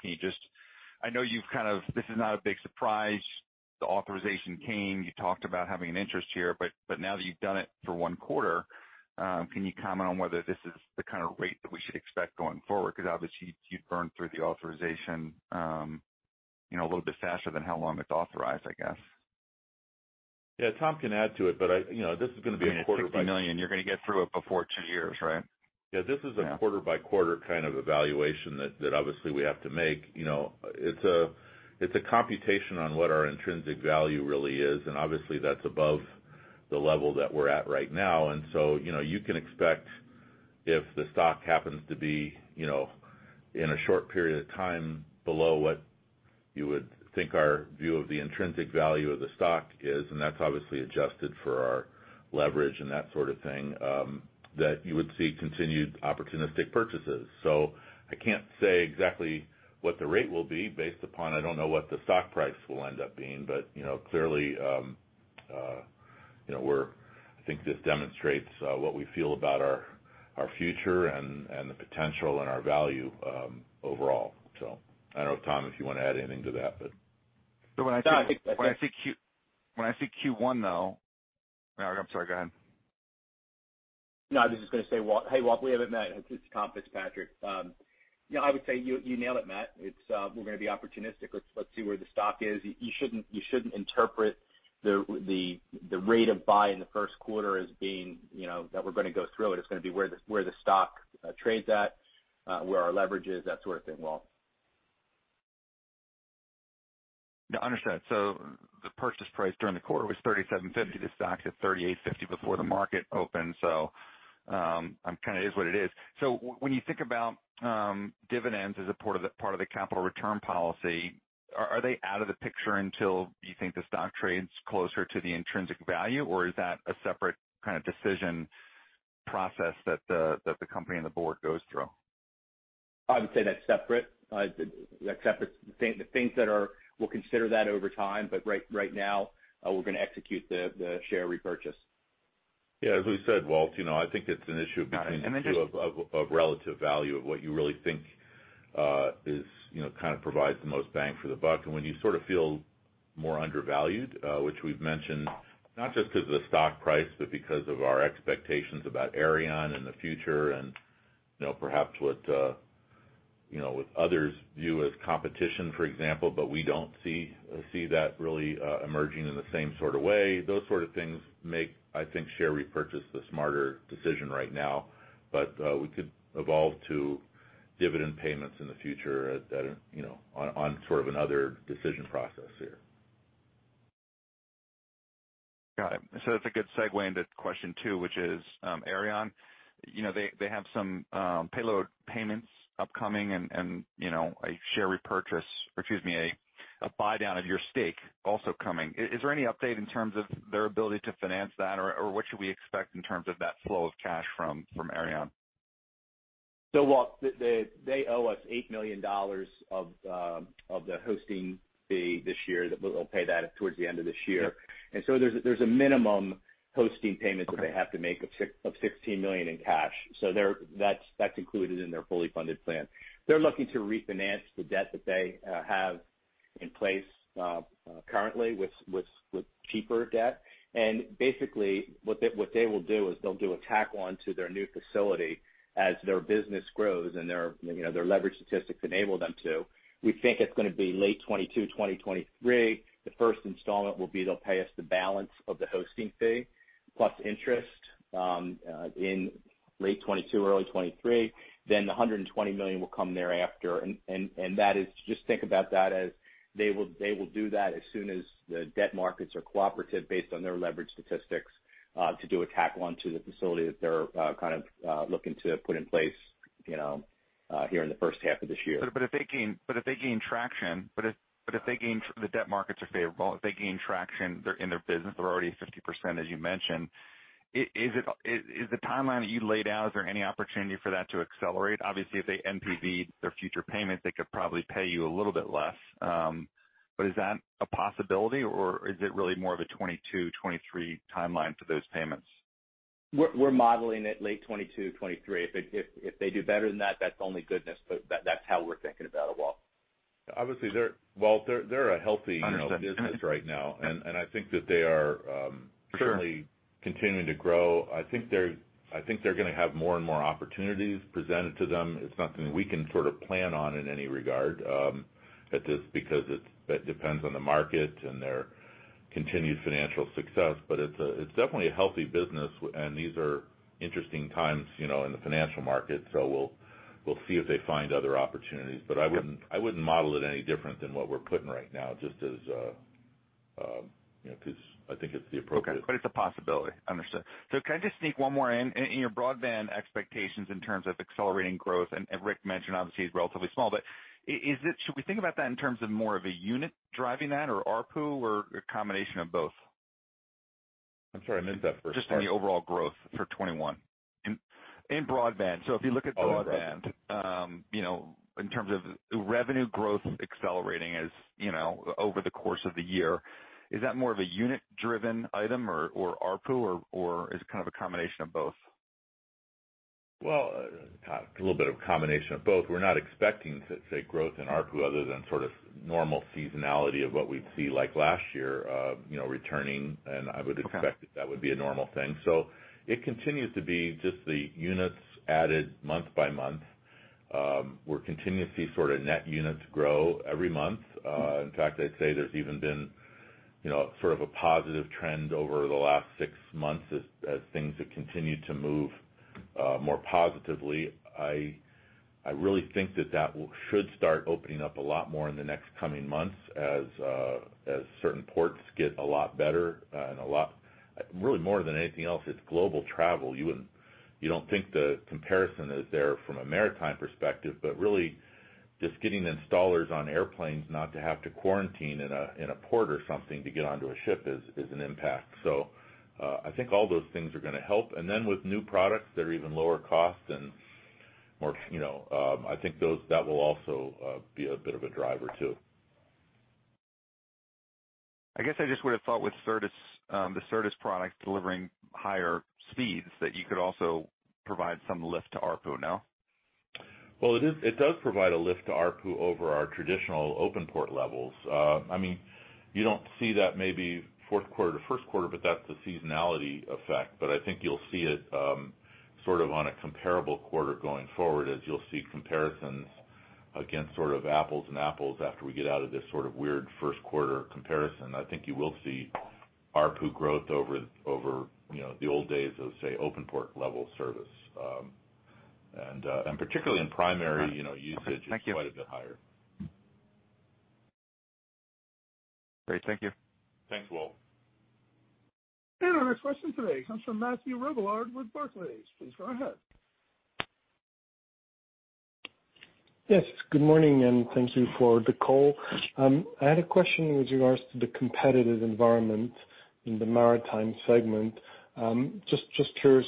Speaker 6: I know this is not a big surprise. The authorization came. You talked about having an interest here. Now that you've done it for one quarter, can you comment on whether this is the kind of rate that we should expect going forward? Obviously, you'd burn through the authorization a little bit faster than how long it's authorized, I guess.
Speaker 3: Yeah, Tom can add to it, but this is going to be a quarter.
Speaker 6: I mean, at $60 million, you're going to get through it before two years, right?
Speaker 3: This is a quarter-by-quarter kind of evaluation that obviously we have to make. It's a computation on what our intrinsic value really is. Obviously, that's above the level that we're at right now. You can expect if the stock happens to be in a short period of time below what you would think our view of the intrinsic value of the stock is, and that's obviously adjusted for our leverage and that sort of thing, that you would see continued opportunistic purchases. I can't say exactly what the rate will be based upon I don't know what the stock price will end up being, but clearly, I think this demonstrates what we feel about our future and the potential and our value overall. I don't know, Tom, if you want to add anything to that.
Speaker 6: So, when I think When I think Q1, though I'm sorry, go ahead.
Speaker 4: I was just going to say, hey, Walt, we haven't met. It's Tom Fitzpatrick. I would say you nailed it, Matt. We're going to be opportunistic. Let's see where the stock is. You shouldn't interpret the rate of buy in the first quarter as being that we're going to go through it. It's going to be where the stock trades at, where our leverage is, that sort of thing, Walt.
Speaker 6: No, understood, the purchase price during the quarter was $37.50. The stock's at $38.50 before the market opened. It is what it is. When you think about dividends as a part of the capital return policy, are they out of the picture until you think the stock trades closer to the intrinsic value, or is that a separate kind of decision process that the company and the board goes through?
Speaker 4: I would say that's separate. The things that are, we'll consider that over time. Right now, we're going to execute the share repurchase.
Speaker 3: Yeah, as we said, Walt, I think it's an issue of between the two of relative value of what you really think kind of provides the most bang for the buck. When you sort of feel more undervalued, which we've mentioned not just because of the stock price, but because of our expectations about Aireon in the future and perhaps what others view as competition, for example, but we don't see that really emerging in the same sort of way. Those sort of things make, I think, share repurchase the smarter decision right now. We could evolve to dividend payments in the future on sort of another decision process here.
Speaker 6: Got it, that's a good segue into question two, which is Aireon. They have some payload payments upcoming and a share repurchase, or excuse me, a buy-down of your stake also coming. Is there any update in terms of their ability to finance that, or what should we expect in terms of that flow of cash from Aireon?
Speaker 4: Walt, they owe us $8 million of the hosting fee this year. They'll pay that towards the end of this year. There's a minimum hosting payment that they have to make of $16 million in cash. That's included in their fully funded plan. They're looking to refinance the debt that they have in place currently with cheaper debt. Basically, what they will do is they'll do a tack on to their new facility as their business grows and their leverage statistics enable them to. We think it's going to be late 2022, 2023. The first installment will be they'll pay us the balance of the hosting fee plus interest in late 2022, early 2023. The $120 million will come thereafter. Just think about that as they will do that as soon as the debt markets are cooperative based on their leverage statistics to do a tack on to the facility that they're kind of looking to put in place here in the first half of this year.
Speaker 6: If they gain traction, but if they gain the debt markets are favorable, if they gain traction in their business, they're already at 50%, as you mentioned. Is the timeline that you laid out, is there any opportunity for that to accelerate? Obviously, if they NPV their future payment, they could probably pay you a little bit less. Is that a possibility, or is it really more of a 2022, 2023 timeline for those payments?
Speaker 4: We're modeling it late 2022, 2023. If they do better than that's only goodness. That's how we're thinking about it, Walt.
Speaker 3: Obviously, Walt, they're a healthy-
Speaker 6: Understood....
Speaker 3: business right now, and I think that they are-
Speaker 6: Sure....
Speaker 3: certainly continuing to grow. I think they're going to have more and more opportunities presented to them. It's nothing that we can sort of plan on in any regard at this because it depends on the market and their continued financial success. It's definitely a healthy business, and these are interesting times in the financial market. We'll see if they find other opportunities. I wouldn't model it any different than what we're putting right now, just because I think it's the appropriate.
Speaker 6: Okay, it's a possibility, understood. Can I just sneak one more in? In your broadband expectations in terms of accelerating growth, and Ric mentioned, obviously, it's relatively small. Should we think about that in terms of more of a unit driving that or ARPU, or a combination of both?
Speaker 3: I'm sorry, I missed that first part.
Speaker 6: Just on the overall growth for 2021 in broadband, you know-
Speaker 3: All of that....
Speaker 6: in terms of revenue growth accelerating over the course of the year, is that more of a unit-driven item or ARPU, or is it a combination of both?
Speaker 3: Well, a little bit of a combination of both. We're not expecting to see growth in ARPU other than normal seasonality of what we'd see last year, returning. I would expect that that would be a normal thing. It continues to be just the units added month by month. We're continuing to see net units grow every month. In fact, I'd say there's even been a positive trend over the last six months as things have continued to move more positively. I really think that that should start opening up a lot more in the next coming months as certain ports get a lot better. Really, more than anything else, it's global travel. You wouldn't think the comparison is there from a maritime perspective, but really just getting the installers on airplanes not to have to quarantine in a port or something to get onto a ship is an impact. I think all those things are going to help. Then with new products that are even lower cost, I think that will also be a bit of a driver, too.
Speaker 6: I guess I just would've thought with the Certus products delivering higher speeds, that you could also provide some lift to ARPU now.
Speaker 3: Well, it does provide a lift to ARPU over our traditional Iridium OpenPort levels. You don't see that maybe fourth quarter to first quarter, that's the seasonality effect. I think you'll see it on a comparable quarter going forward, as you'll see comparisons against apples and apples after we get out of this weird first quarter comparison. I think you will see ARPU growth over the old days of, say, Iridium OpenPort level service, and particularly in primary usage-
Speaker 6: Thank you....
Speaker 3: it's quite a bit higher.
Speaker 6: Great, thank you.
Speaker 3: Thanks, Walt.
Speaker 1: Our next question today comes from Mathieu Robilliard with Barclays, please go ahead.
Speaker 7: Yes, good morning, and thank you for the call. I had a question with regards to the competitive environment in the maritime segment. Just curious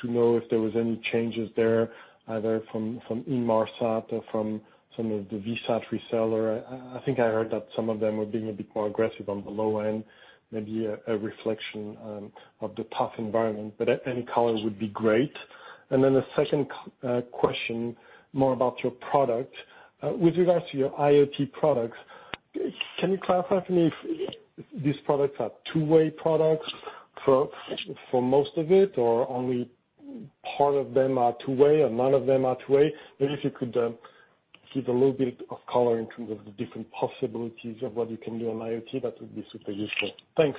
Speaker 7: to know if there was any changes there, either from Inmarsat or from some of the VSAT reseller. I think I heard that some of them were being a bit more aggressive on the low end, maybe a reflection of the tough environment. Any color would be great. A second question, more about your product. With regards to your IoT products, can you clarify for me if these products are two-way products for most of it, or only part of them are two-way, or none of them are two-way? Maybe if you could give a little bit of color in terms of the different possibilities of what you can do on IoT, that would be super useful, thanks.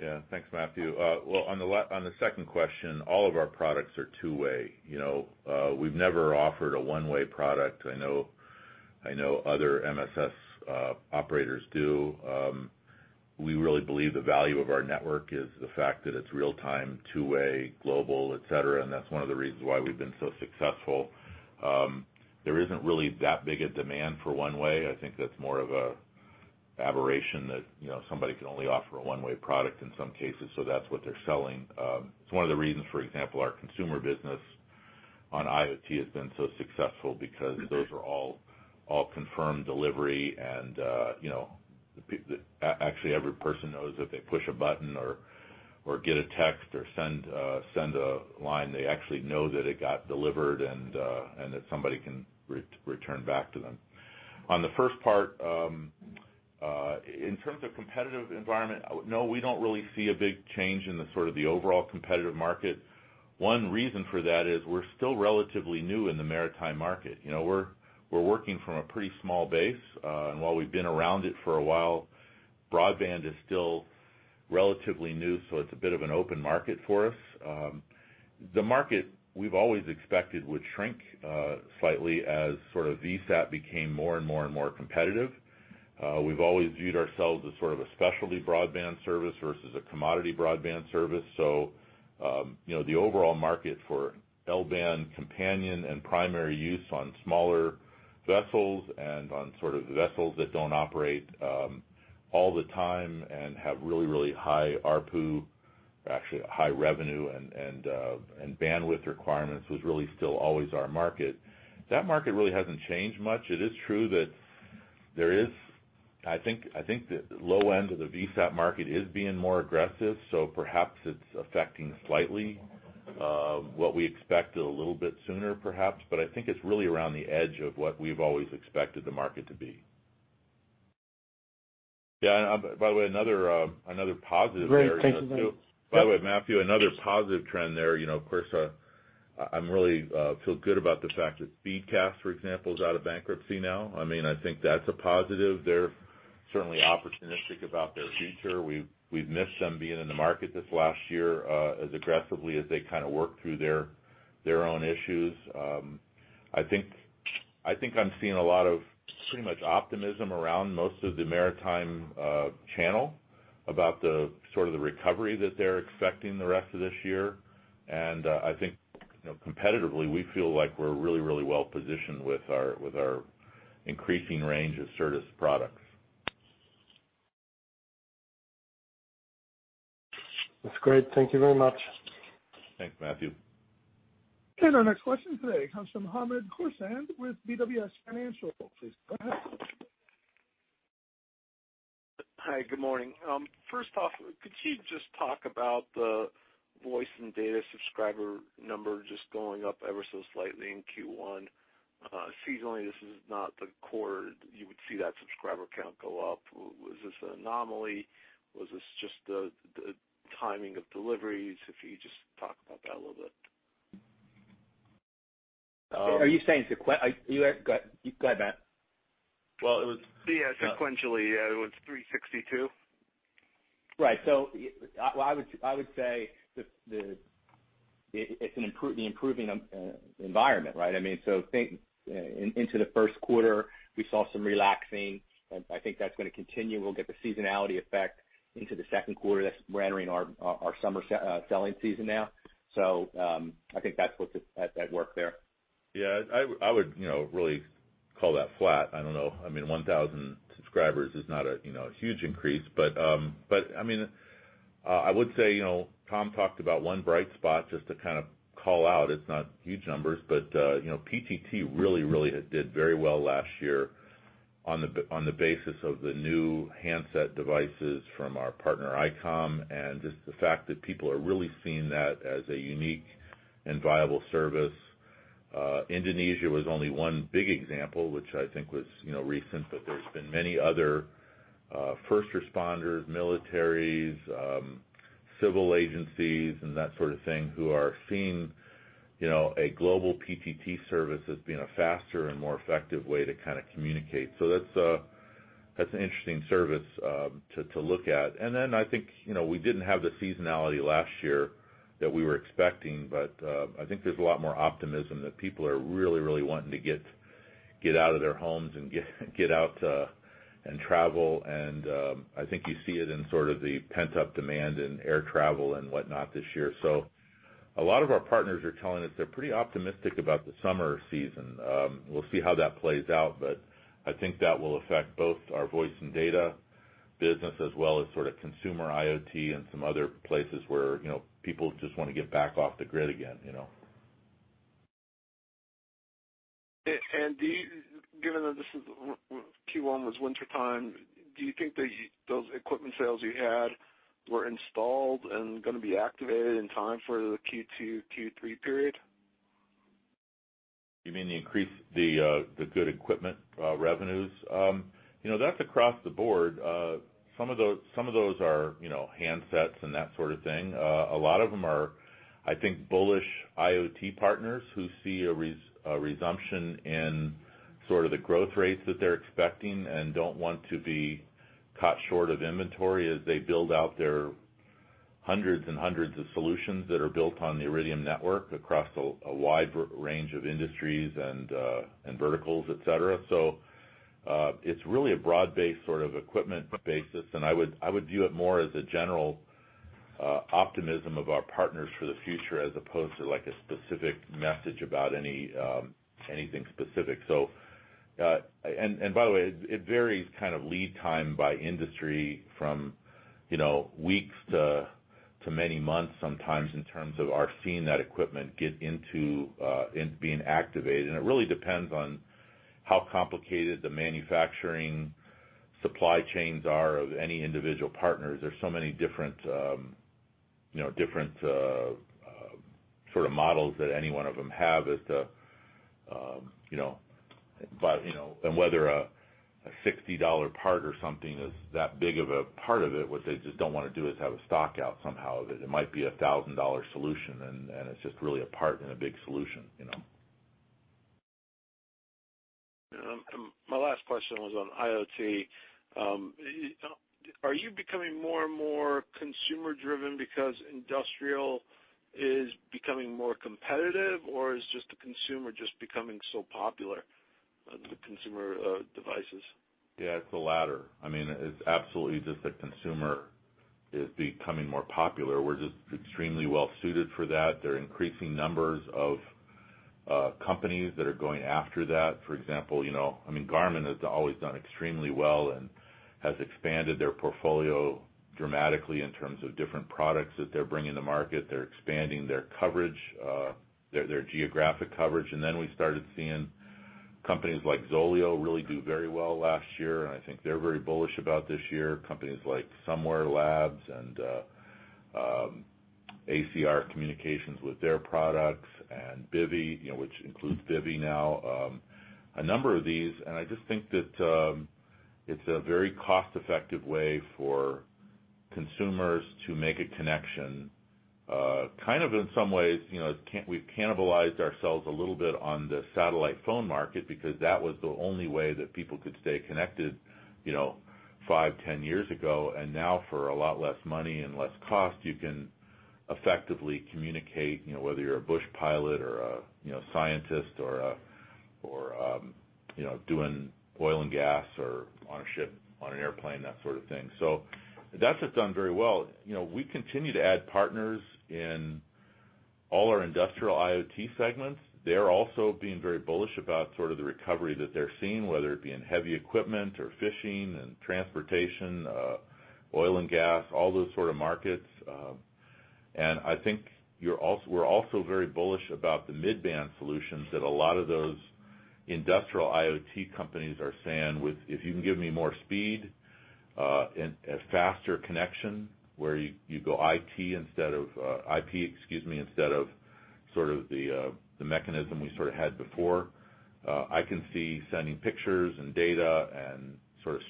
Speaker 3: Yeah, thanks, Mathieu. Well, on the second question, all of our products are two-way. We've never offered a one-way product. I know other MSS operators do. We really believe the value of our network is the fact that it's real-time, two-way, global, et cetera, and that's one of the reasons why we've been so successful. There isn't really that big a demand for one-way. I think that's more of an aberration that somebody can only offer a one-way product in some cases, so that's what they're selling. It's one of the reasons, for example, our consumer business on IoT has been so successful, because those are all confirmed delivery, and actually, every person knows if they push a button or get a text or send a line, they actually know that it got delivered, and that somebody can return back to them. On the first part, in terms of competitive environment, no, we don't really see a big change in the overall competitive market. One reason for that is we're still relatively new in the maritime market. We're working from a pretty small base. While we've been around it for a while, broadband is still relatively new, so it's a bit of an open market for us. The market, we've always expected would shrink slightly as VSAT became more and more competitive. We've always viewed ourselves as a specialty broadband service versus a commodity broadband service. The overall market for L-band companion and primary use on smaller vessels and on vessels that don't operate all the time and have really high ARPU, or actually high revenue and bandwidth requirements, was really still always our market, that market really hasn't changed much. It is true that I think the low end of the VSAT market is being more aggressive, so perhaps it's affecting slightly what we expected a little bit sooner, perhaps. I think it's really around the edge of what we've always expected the market to be. Yeah, by the way another positive-
Speaker 7: Great, thank you, Matt...
Speaker 3: by the way, Mathieu, another positive trend there, of course, I really feel good about the fact that Speedcast, for example, is out of bankruptcy now. I think that's a positive. They're certainly opportunistic about their future. We've missed them being in the market this last year as aggressively as they worked through their own issues. I think I'm seeing a lot of pretty much optimism around most of the maritime channel about the recovery that they're expecting the rest of this year. And I think competitively, we feel like we're really well-positioned with our increasing range of Certus products.
Speaker 7: That's great, thank you very much.
Speaker 3: Thanks, Mathieu.
Speaker 1: Okay, our next question today comes from Hamed Khorsand with BWS Financial, please go ahead.
Speaker 8: Hi, good morning. First off, could you just talk about the voice and data subscriber number just going up ever so slightly in Q1? Seasonally, this is not the quarter you would see that subscriber count go up. Was this an anomaly? Was this just the timing of deliveries? If you could just talk about that a little bit.
Speaker 4: Go ahead, Matt.
Speaker 3: Yeah, sequentially, it was 362 million.
Speaker 4: Right, I would say it's the improving environment, right? Into the first quarter, we saw some relaxing, and I think that's going to continue. We'll get the seasonality effect into the second quarter. We're entering our summer selling season now. I think that's what's at work there.
Speaker 3: Yeah, I would really call that flat, I don't know, I mean 1,000 subscribers is not a huge increase. I would say, Tom talked about one bright spot just to kind of call out. It's not huge numbers, PTT really did very well last year on the basis of the new handset devices from our partner, Icom, and just the fact that people are really seeing that as a unique and viable service. Indonesia was only one big example, which I think was recent, there's been many other first responders, militaries, civil agencies, and that sort of thing, who are seeing a global PTT service as being a faster and more effective way to communicate. That's an interesting service to look at. I think we didn't have the seasonality last year that we were expecting, but I think there's a lot more optimism that people are really wanting to get out of their homes and get out and travel and I think you see it in sort of the pent-up demand in air travel and whatnot this year. A lot of our partners are telling us they're pretty optimistic about the summer season. We'll see how that plays out. I think that will affect both our voice and data business as well as sort of consumer IoT and some other places where people just want to get back off the grid again.
Speaker 8: Given that Q1 was wintertime, do you think that those equipment sales you had were installed and going to be activated in time for the Q2, Q3 period?
Speaker 3: You mean the good equipment revenues? That's across the board. Some of those are handsets and that sort of thing. A lot of them are, I think, bullish IoT partners who see a resumption in sort of the growth rates that they're expecting and don't want to be caught short of inventory as they build out their hundreds and hundreds of solutions that are built on the Iridium network across a wide range of industries and verticals, et cetera. It's really a broad-based sort of equipment basis, and I would view it more as a general optimism of our partners for the future as opposed to a specific message about anything specific. By the way, it varies kind of lead time by industry from weeks to many months sometimes in terms of our seeing that equipment get into being activated, and it really depends on how complicated the manufacturing supply chains are of any individual partners. There's so many different sort of models that any one of them have as to whether a $60 part or something is that big of a part of it. What they just don't want to do is have a stock out somehow that it might be a a thousand dollar solution and it's just really a part in a big solution.
Speaker 8: My last question was on IoT. Are you becoming more and more consumer-driven because industrial is becoming more competitive, or is just the consumer just becoming so popular, the consumer devices?
Speaker 3: Yeah, it's the latter, I mean it's absolutely just the consumer is becoming more popular. We're just extremely well-suited for that, there are increasing numbers of companies that are going after that. For example, Garmin has always done extremely well and has expanded their portfolio dramatically in terms of different products that they're bringing to market. They're expanding their coverage, their geographic coverage. Then we started seeing companies like ZOLEO really do very well last year, and I think they're very bullish about this year. Companies like Somewear Labs and ACR Electronics with their products and Bivy, which includes Bivy now, a number of these, I just think that it's a very cost-effective way for consumers to make a connection. Kind of in some ways, we've cannibalized ourselves a little bit on the satellite phone market because that was the only way that people could stay connected five, 10 years ago, and now for a lot less money and less cost, you can effectively communicate, whether you're a bush pilot or a scientist or doing oil and gas or on a ship, on an airplane, that sort of thing. That's just done very well. We continue to add partners in all our industrial IoT segments, they're also being very bullish about the recovery that they're seeing, whether it be in heavy equipment or fishing and transportation, oil and gas, all those sort of markets. I think we're also very bullish about the mid-band solutions that a lot of those industrial IoT companies are saying, "If you can give me more speed, and a faster connection where you go IP instead of the mechanism we had before, I can see sending pictures and data and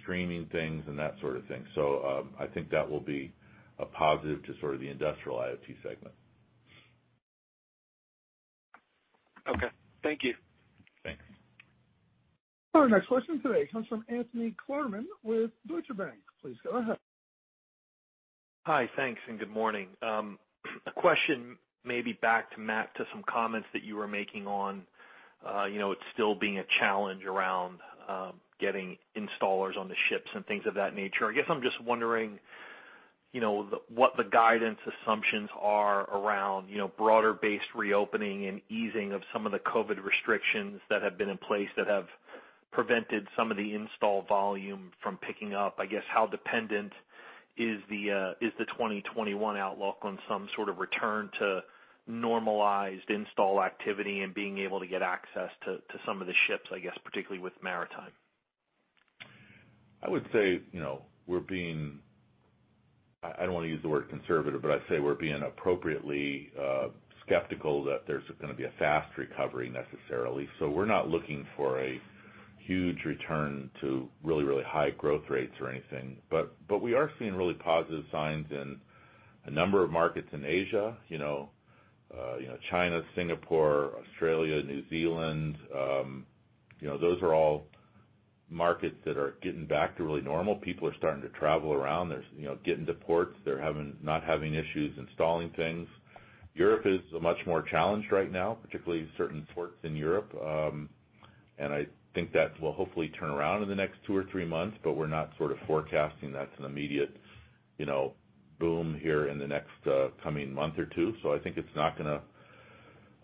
Speaker 3: streaming things and that sort of thing." I think that will be a positive to the industrial IoT segment.
Speaker 8: Okay, thank you.
Speaker 3: Thanks.
Speaker 1: Our next question today comes from Anthony Klarman with Deutsche Bank, please go ahead.
Speaker 9: Hi, thanks, and good morning. A question maybe back to Matt, to some comments that you were making on it still being a challenge around getting installers on the ships and things of that nature. I guess I'm just wondering, what the guidance assumptions are around broader base reopening and easing of some of the COVID restrictions that have been in place that have prevented some of the install volume from picking up. I guess, how dependent is the 2021 outlook on some sort of return to normalized install activity and being able to get access to some of the ships, I guess particularly with maritime?
Speaker 3: I would say, I don't want to use the word conservative, but I'd say we're being appropriately skeptical that there's going to be a fast recovery necessarily. We're not looking for a huge return to really high growth rates or anything. We are seeing really positive signs in a number of markets in Asia, China, Singapore, Australia, New Zealand, those are all markets that are getting back to really normal. People are starting to travel around, they're getting to ports. They're not having issues installing things. Europe is much more challenged right now, particularly certain ports in Europe. I think that will hopefully turn around in the next two or three months, but we're not forecasting that's an immediate boom here in the next coming month or two. I think it's not going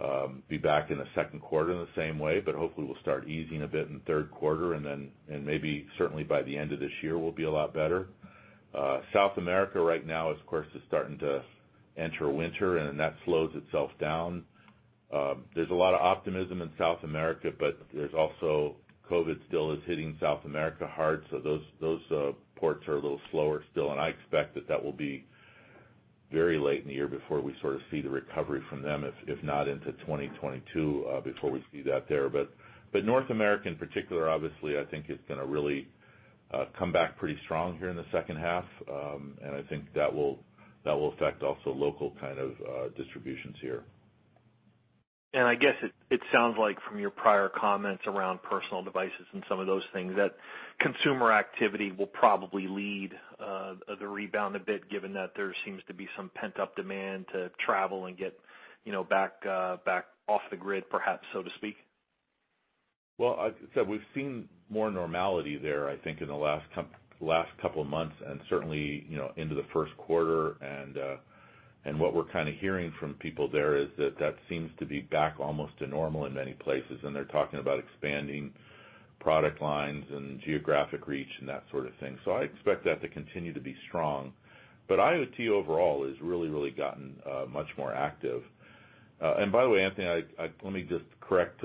Speaker 3: to be back in the second quarter in the same way. Hopefully will start easing a bit in the third quarter and then maybe certainly by the end of this year, we'll be a lot better. South America right now, of course, is starting to enter winter, and then that slows itself down. There's a lot of optimism in South America, but there's also COVID still is hitting South America hard. Those ports are a little slower still, and I expect that that will be very late in the year before we sort of see the recovery from them if not into 2022 before we see that there. North America, in particular, obviously, I think is going to really come back pretty strong here in the second half. I think that will affect also local kind of distributions here.
Speaker 9: I guess it sounds like from your prior comments around personal devices and some of those things, that consumer activity will probably lead the rebound a bit, given that there seems to be some pent-up demand to travel and get back off the grid, perhaps, so to speak.
Speaker 3: We've seen more normality there, I think in the last couple of months, and certainly into the first quarter. What we're kind of hearing from people there is that that seems to be back almost to normal in many places, and they're talking about expanding product lines and geographic reach and that sort of thing. I expect that to continue to be strong, but IoT overall has really gotten much more active. By the way, Anthony, let me just correct,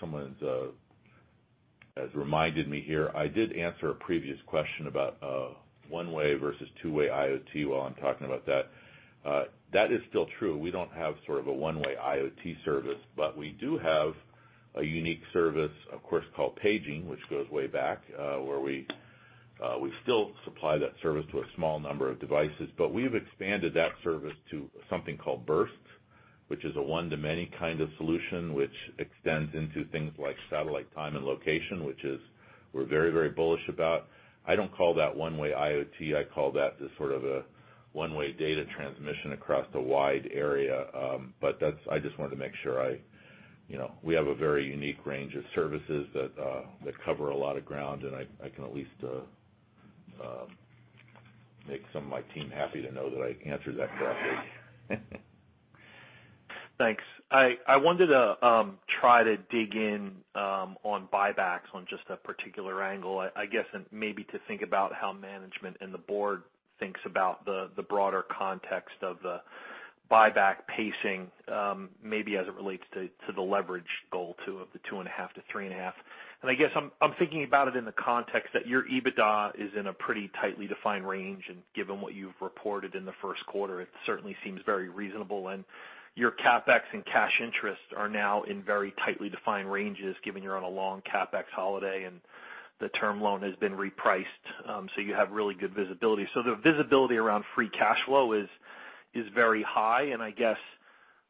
Speaker 3: someone has reminded me here. I did answer a previous question about one-way versus two-way IoT while I'm talking about that. That is still true, we don't have sort of a one-way IoT service, but we do have a unique service, of course, called paging, which goes way back, where we still supply that service to a small number of devices. We've expanded that service to something called Burst, which is a one-to-many kind of solution which extends into things like satellite time and location, which we're very bullish about. I don't call that one-way IoT. I call that just sort of a one-way data transmission across a wide area. I just wanted to make sure we have a very unique range of services that cover a lot of ground, and I can at least make some of my team happy to know that I answered that correctly.
Speaker 9: Thanks, I wanted to try to dig in on buybacks on just a particular angle, I guess, and maybe to think about how management and the board thinks about the broader context of the buyback pacing, maybe as it relates to the leverage goal too of the 2.5x-3.5x. I guess I'm thinking about it in the context that your EBITDA is in a pretty tightly defined range, and given what you've reported in the first quarter, it certainly seems very reasonable. Your CapEx and cash interests are now in very tightly defined ranges given you're on a long CapEx holiday, and the term loan has been repriced, so you have really good visibility. The visibility around free cash flow is very high, and I guess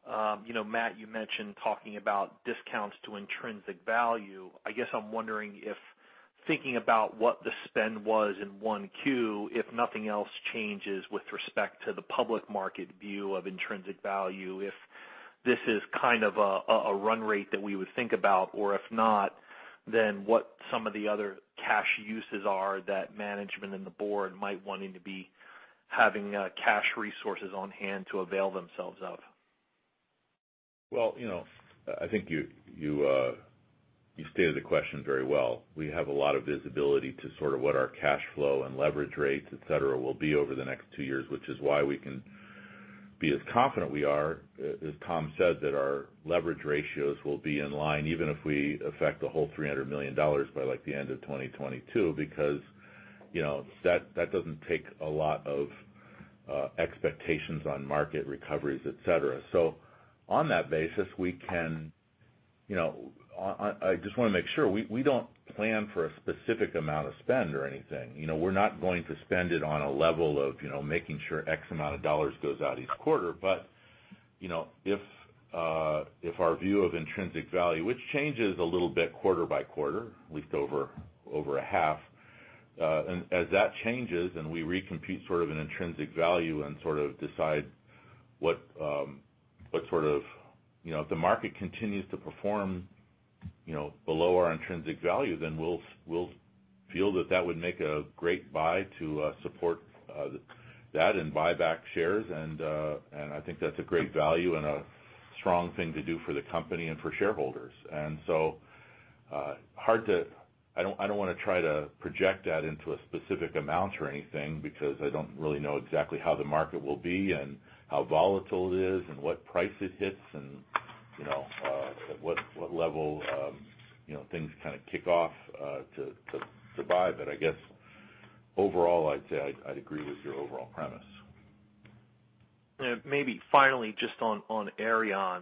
Speaker 9: Matt, you mentioned talking about discounts to intrinsic value. I guess I'm wondering if thinking about what the spend was in 1Q, if nothing else changes with respect to the public market view of intrinsic value if this is a run rate that we would think about or if not, then what some of the other cash uses are that management and the board might wanting to be having cash resources on hand to avail themselves of.
Speaker 3: Well, I think you stated the question very well. We have a lot of visibility to sort of what our cash flow and leverage rates, et cetera, will be over the next two years, which is why we can be as confident we are, as Tom said, that our leverage ratios will be in line even if we affect the whole $300 million by the end of 2022, because that doesn't take a lot of expectations on market recoveries, et cetera. On that basis, I just want to make sure, we don't plan for a specific amount of spend or anything. We're not going to spend it on a level of making sure X amount of dollars goes out each quarter, but you know, if, uh if our view of intrinsic value which changes a little bit quarter-by quarter leaked over a half. As that changes and we recompute an intrinsic value and decide if the market continues to perform below our intrinsic value, then we'll feel that that would make a great buy to support that and buy back shares. I think that's a great value and a strong thing to do for the company and for shareholders. I don't want to try to project that into a specific amount or anything, because I don't really know exactly how the market will be and how volatile it is and what price it hits and at what level things kind of kick off to buy. I guess, overall, I'd say I'd agree with your overall premise.
Speaker 9: Maybe finally, just on Aireon.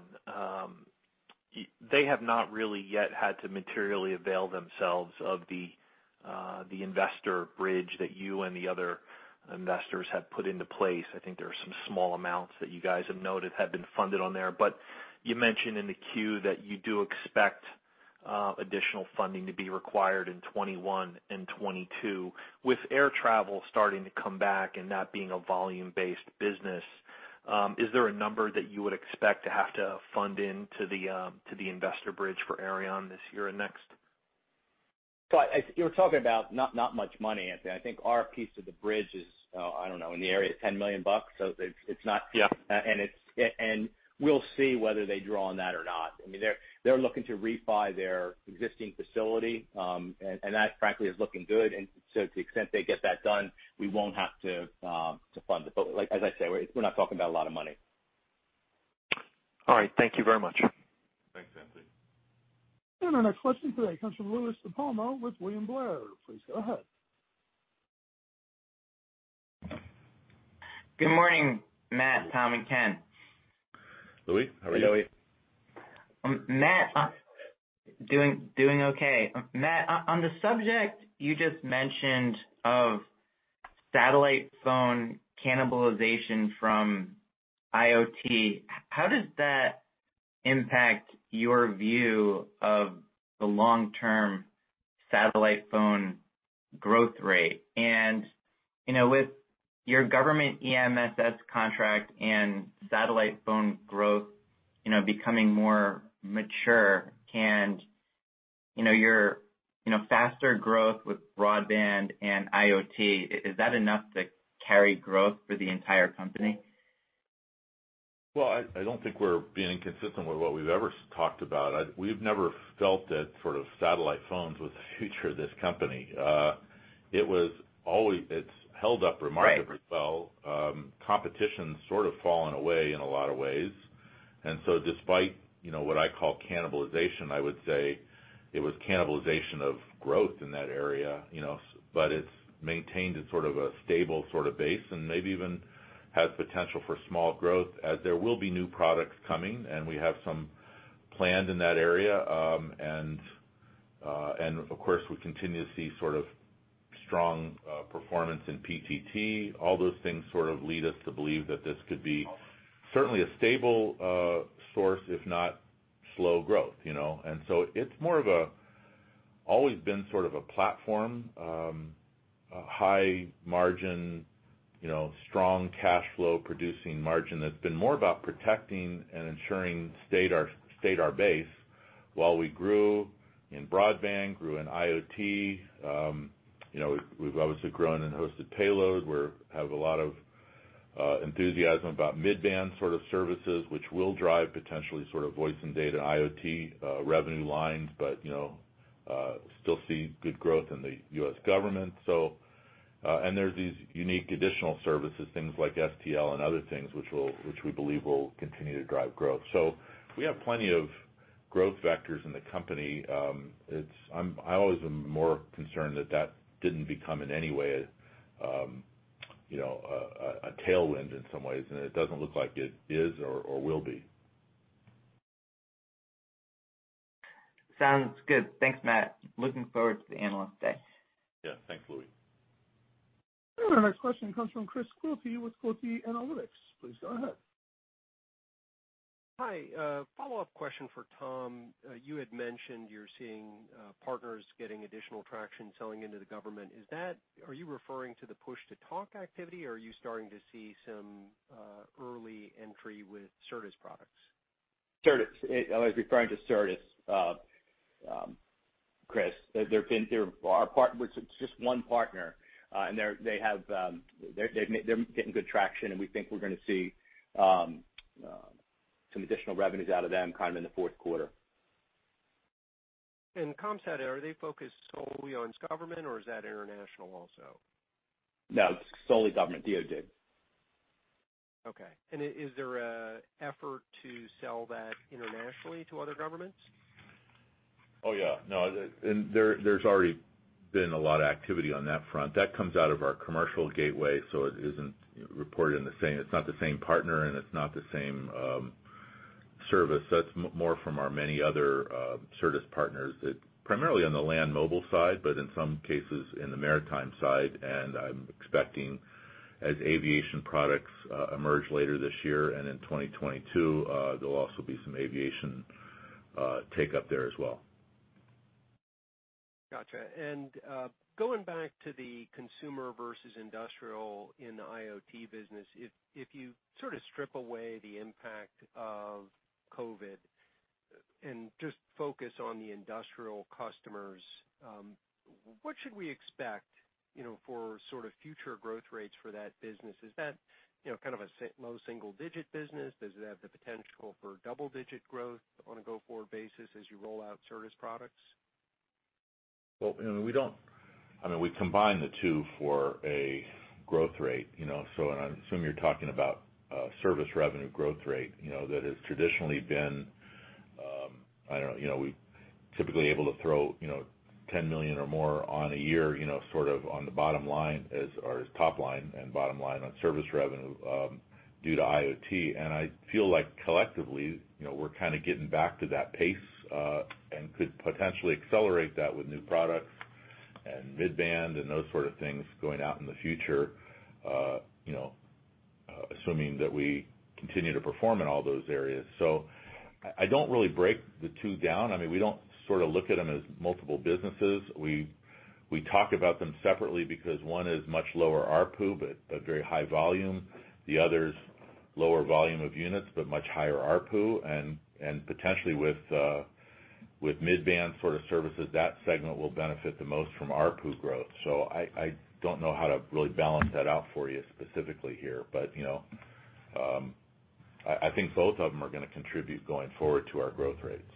Speaker 9: They have not really yet had to materially avail themselves of the investor bridge that you and the other investors have put into place. I think there are some small amounts that you guys have noted have been funded on there. You mentioned in the queue that you do expect additional funding to be required in 2021 and 2022. With air travel starting to come back and that being a volume-based business, is there a number that you would expect to have to fund into the investor bridge for Aireon this year and next?
Speaker 4: You're talking about not much money, Anthony. I think our piece of the bridge is, I don't know, in the area of $10 million.
Speaker 9: Yeah.
Speaker 4: We'll see whether they draw on that or not. They're looking to refi their existing facility. That, frankly, is looking good. To the extent they get that done, we won't have to fund it. As I say, we're not talking about a lot of money.
Speaker 9: All right, thank you very much.
Speaker 3: Thanks, Anthony.
Speaker 1: Our next question today comes from Louie DiPalma with William Blair, please go ahead.
Speaker 10: Good morning, Matt, Tom, and Ken.
Speaker 3: Louie, how are you?
Speaker 10: Matt, doing okay. Matt, on the subject you just mentioned of satellite phone cannibalization from IoT, how does that impact your view of the long-term satellite phone growth rate? With your government EMSS contract and satellite phone growth becoming more mature and your faster growth with broadband and IoT, is that enough to carry growth for the entire company?
Speaker 3: I don't think we're being inconsistent with what we've ever talked about. We've never felt that satellite phones was the future of this company. It's held up remarkably well.
Speaker 10: Right.
Speaker 3: Competition's sort of fallen away in a lot of ways. Despite what I call cannibalization, I would say it was cannibalization of growth in that area. It's maintained a stable base and maybe even has potential for small growth as there will be new products coming, and we have some planned in that area. Of course, we continue to see strong performance in PTT. All those things lead us to believe that this could be certainly a stable source, if not slow growth. It's more of a, always been sort of a platform, a high margin, strong cash flow producing margin that's been more about protecting and ensuring state our base while we grew in broadband, grew in IoT. We've obviously grown in hosted payload. We have a lot of enthusiasm about mid-band sort of services, which will drive potentially voice and data IoT revenue lines. Still see good growth in the U.S. government. There's these unique additional services, things like STL and other things, which we believe will continue to drive growth. We have plenty of growth vectors in the company. I always am more concerned that that didn't become in any way a tailwind in some ways, and it doesn't look like it is or will be.
Speaker 10: Sounds good, thanks, Matt. Looking forward to the Analyst Day.
Speaker 3: Yeah, thanks, Louie.
Speaker 1: Our next question comes from Chris Quilty with Quilty Analytics, please go ahead.
Speaker 11: Hi, a follow-up question for Tom. You had mentioned you're seeing partners getting additional traction selling into the government. Are you referring to the push-to-talk activity, or are you starting to see some early entry with Certus products?
Speaker 4: Certus, I was referring to Certus. Chris, it's just one partner, and they're getting good traction, and we think we're going to see some additional revenues out of them in the fourth quarter.
Speaker 11: Comsat, are they focused solely on government, or is that international also?
Speaker 4: No, it's solely government, DoD.
Speaker 11: Okay, is there an effort to sell that internationally to other governments?
Speaker 3: Oh, yeah, there's already been a lot of activity on that front. That comes out of our commercial gateway, so it isn't reported. It's not the same partner, and it's not the same service. That's more from our many other service partners, primarily on the land mobile side, but in some cases, in the maritime side, and I'm expecting as aviation products emerge later this year and in 2022, there'll also be some aviation take-up there as well.
Speaker 11: Got you, and going back to the consumer versus industrial in the IoT business, if you strip away the impact of COVID and just focus on the industrial customers, what should we expect for future growth rates for that business? Is that a low single-digit business? Does it have the potential for double-digit growth on a go-forward basis as you roll out Certus products?
Speaker 3: We combine the two for a growth rate. I assume you're talking about service revenue growth rate that has traditionally been, I don't know, we're typically able to throw $10 million or more on a year on the bottom line or as top line and bottom line on service revenue due to IoT. I feel like collectively, we're getting back to that pace and could potentially accelerate that with new products and mid-band and those sort of things going out in the future, assuming that we continue to perform in all those areas. I don't really break the two down. We don't look at them as multiple businesses. We talk about them separately because one is much lower ARPU, but a very high volume. The other's lower volume of units, but much higher ARPU, and potentially with mid-band sort of services, that segment will benefit the most from ARPU growth. I don't know how to really balance that out for you specifically here. I think both of them are going to contribute going forward to our growth rates.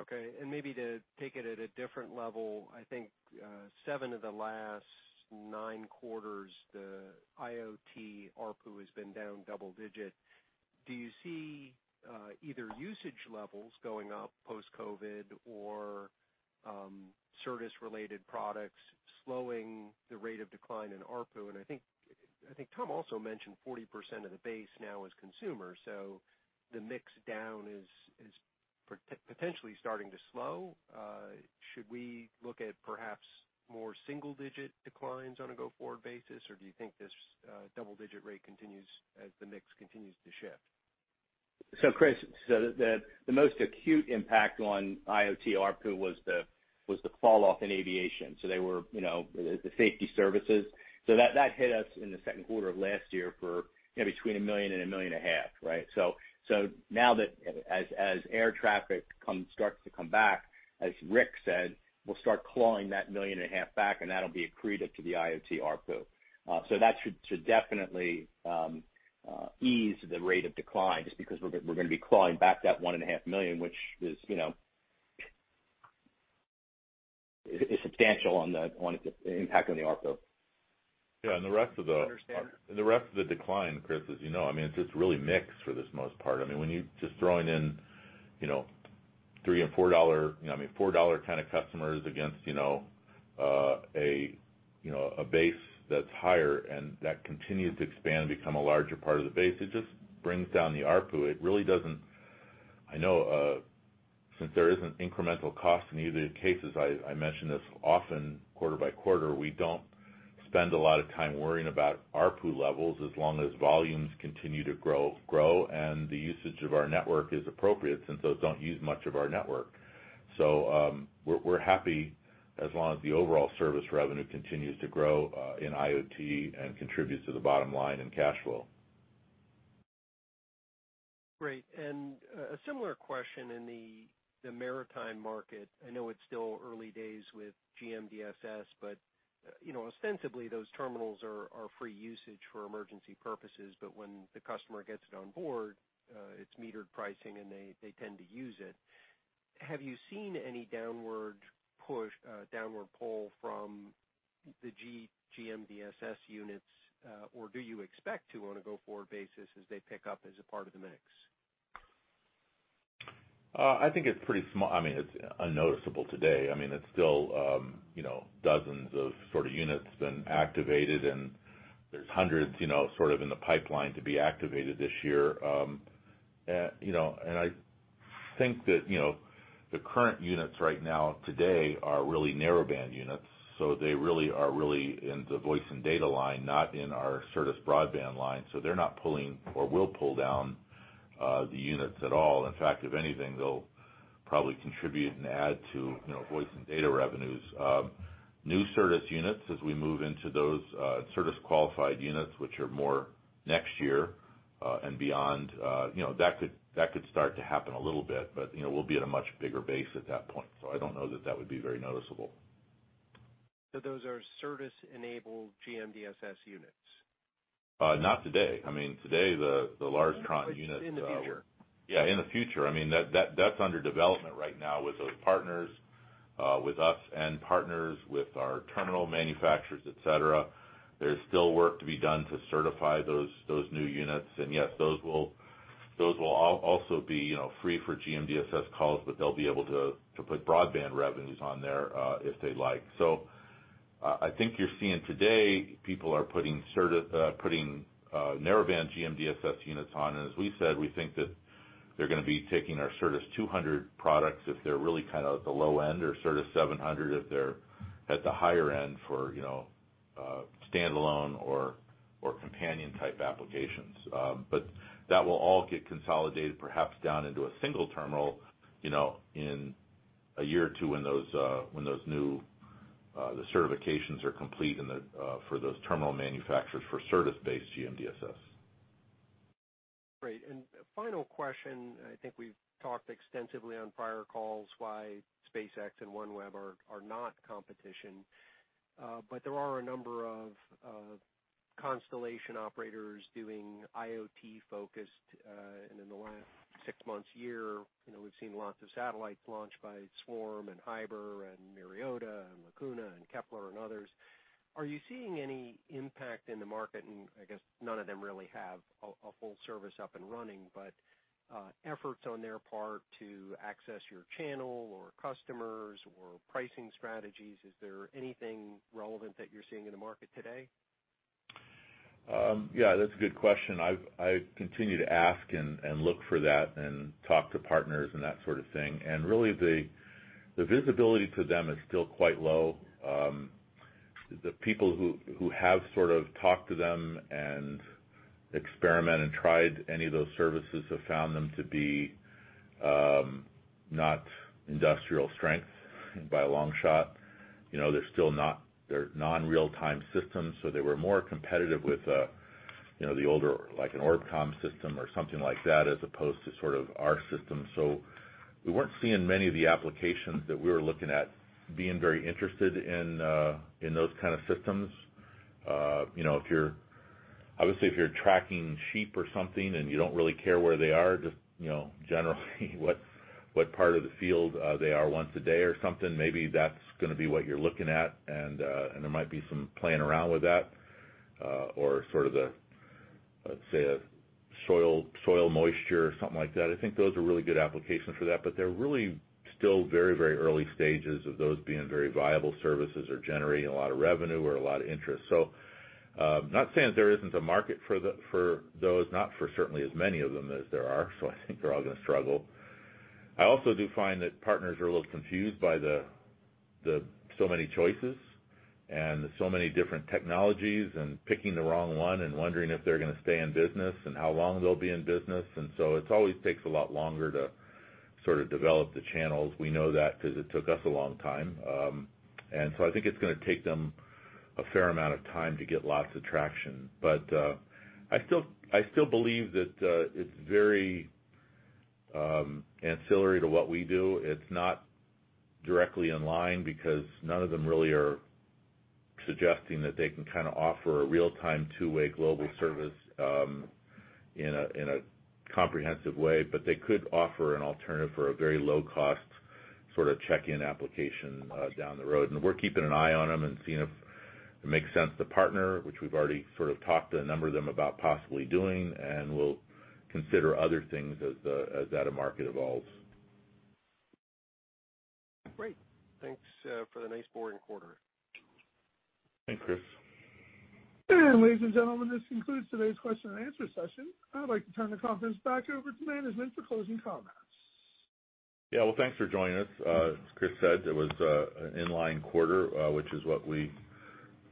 Speaker 11: Okay, maybe to take it at a different level, I think seven of the last nine quarters, the IoT ARPU has been down double digit. Do you see either usage levels going up post-COVID or service-related products slowing the rate of decline in ARPU? I think Tom also mentioned 40% of the base now is consumer. The mix down is potentially starting to slow. Should we look at perhaps more single-digit declines on a go-forward basis, or do you think this double-digit rate continues as the mix continues to shift?
Speaker 4: Chris, the most acute impact on IoT ARPU was the falloff in aviation, the safety services. That hit us in the second quarter of last year for between $1 million and $1.5 million, right? Now as air traffic starts to come back, as Ric said, we'll start clawing that $1.5 million back, and that'll be accretive to the IoT ARPU. That should definitely ease the rate of decline, just because we're going to be clawing back that $1.5 million, which is substantial on the impact on the ARPU.
Speaker 3: Yeah, and the rest-
Speaker 11: Understand....
Speaker 3: and the rest of the decline, Chris, as you know, it's just really mix for the most part. When you're just throwing in $3 or $4, I mean $4 kind of customers against a base that's higher and that continues to expand and become a larger part of the base, it just brings down the ARPU. I know since there isn't incremental cost in either cases, I mention this often quarter by quarter, we don't spend a lot of time worrying about ARPU levels as long as volumes continue to grow and the usage of our network is appropriate since those don't use much of our network. We're happy as long as the overall service revenue continues to grow in IoT and contributes to the bottom line in cash flow.
Speaker 11: Great, and a similar question in the maritime market. I know it's still early days with GMDSS. Ostensibly, those terminals are free usage for emergency purposes. When the customer gets it on board, it's metered pricing, and they tend to use it. Have you seen any downward pull from the GMDSS units or do you expect to on a go-forward basis as they pick up as a part of the mix?
Speaker 3: I think it's pretty small. It's unnoticeable today. It's still dozens of sort of units been activated. There's hundreds sort of in the pipeline to be activated this year. I think that the current units right now today are really narrowband units, so they really are in the voice and data line, not in our service broadband line. They're not pulling or will pull down the units at all. In fact, if anything, they'll probably contribute and add to voice and data revenues. New Certus units as we move into those Certus-qualified units, which are more next year and beyond, that could start to happen a little bit, we'll be at a much bigger base at that point. I don't know that that would be very noticeable.
Speaker 11: Those are Certus-enabled GMDSS units?
Speaker 3: Not today. Today, the large Thrane units-
Speaker 11: In the future....
Speaker 3: yeah in the future. That's under development right now with those partners, with us and partners, with our terminal manufacturers, et cetera. There's still work to be done to certify those new units and, yes, those will also be free for GMDSS calls, but they'll be able to put broadband revenues on there, if they like. I think you're seeing today, people are putting narrow band GMDSS units on. As we said, we think that they're going to be taking our Certus 200 products if they're really at the low end, or Certus 700 if they're at the higher end for standalone or companion type applications. That will all get consolidated perhaps down into a single terminal in a year or two when those new certifications are complete for those terminal manufacturers for Certus-based GMDSS.
Speaker 11: Great, final question, I think we've talked extensively on prior calls why SpaceX and OneWeb are not competition. There are a number of constellation operators doing IoT focused, and in the last six months, year, we've seen lots of satellites launched by Swarm and Hiber and Myriota and Lacuna and Kepler and others. Are you seeing any impact in the market? I guess none of them really have a full service up and running, but efforts on their part to access your channel or customers or pricing strategies, is there anything relevant that you're seeing in the market today?
Speaker 3: Yeah, that's a good question. I continue to ask and look for that and talk to partners and that sort of thing. Really, the visibility to them is still quite low. The people who have sort of talked to them and experiment and tried any of those services have found them to be not industrial strength by a long shot. They're non-real-time systems, so they were more competitive with the older, like an ORBCOMM system or something like that, as opposed to our system. We weren't seeing many of the applications that we were looking at being very interested in those kind of systems. Obviously, if you're tracking sheep or something, and you don't really care where they are, just generally what part of the field they are once a day or something, maybe that's going to be what you're looking at, and there might be some playing around with that, or sort of the, let's say, a soil moisture or something like that. I think those are really good applications for that, but they're really still very early stages of those being very viable services or generating a lot of revenue or a lot of interest. Not saying that there isn't a market for those, not for certainly as many of them as there are, so I think they're all going to struggle. I also do find that partners are a little confused by the so many choices and so many different technologies and picking the wrong one and wondering if they're going to stay in business and how long they'll be in business. It always takes a lot longer to sort of develop the channels. We know that because it took us a long time. I think it's going to take them a fair amount of time to get lots of traction. I still believe that it's very ancillary to what we do. It's not directly in line because none of them really are suggesting that they can offer a real-time, two-way global service in a comprehensive way. They could offer an alternative for a very low-cost check-in application down the road. We're keeping an eye on them and seeing if it makes sense to partner, which we've already sort of talked to a number of them about possibly doing, and we'll consider other things as that market evolves.
Speaker 11: Great, thanks for the nice boring quarter.
Speaker 3: Thanks, Chris.
Speaker 1: Ladies and gentlemen, this concludes today's question and answer session. I'd like to turn the conference back over to management for closing comments.
Speaker 3: Yeah, well, thanks for joining us. As Chris said, it was an in-line quarter, which is what we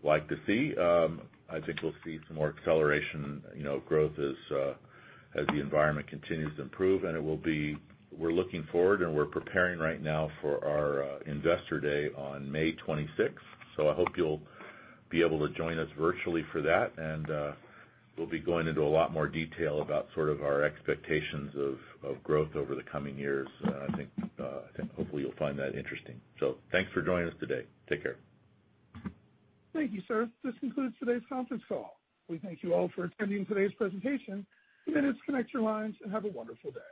Speaker 3: like to see. I think we'll see some more acceleration growth as the environment continues to improve. We're looking forward, and we're preparing right now for our investor day on May 26th. I hope you'll be able to join us virtually for that, and we'll be going into a lot more detail about sort of our expectations of growth over the coming years. I think, hopefully, you'll find that interesting. Thanks for joining us today, take care.
Speaker 1: Thank you, sir. This concludes today's conference call. We thank you all for attending today's presentation. [audio distortions] disconnect your lines, and have a wonderful day.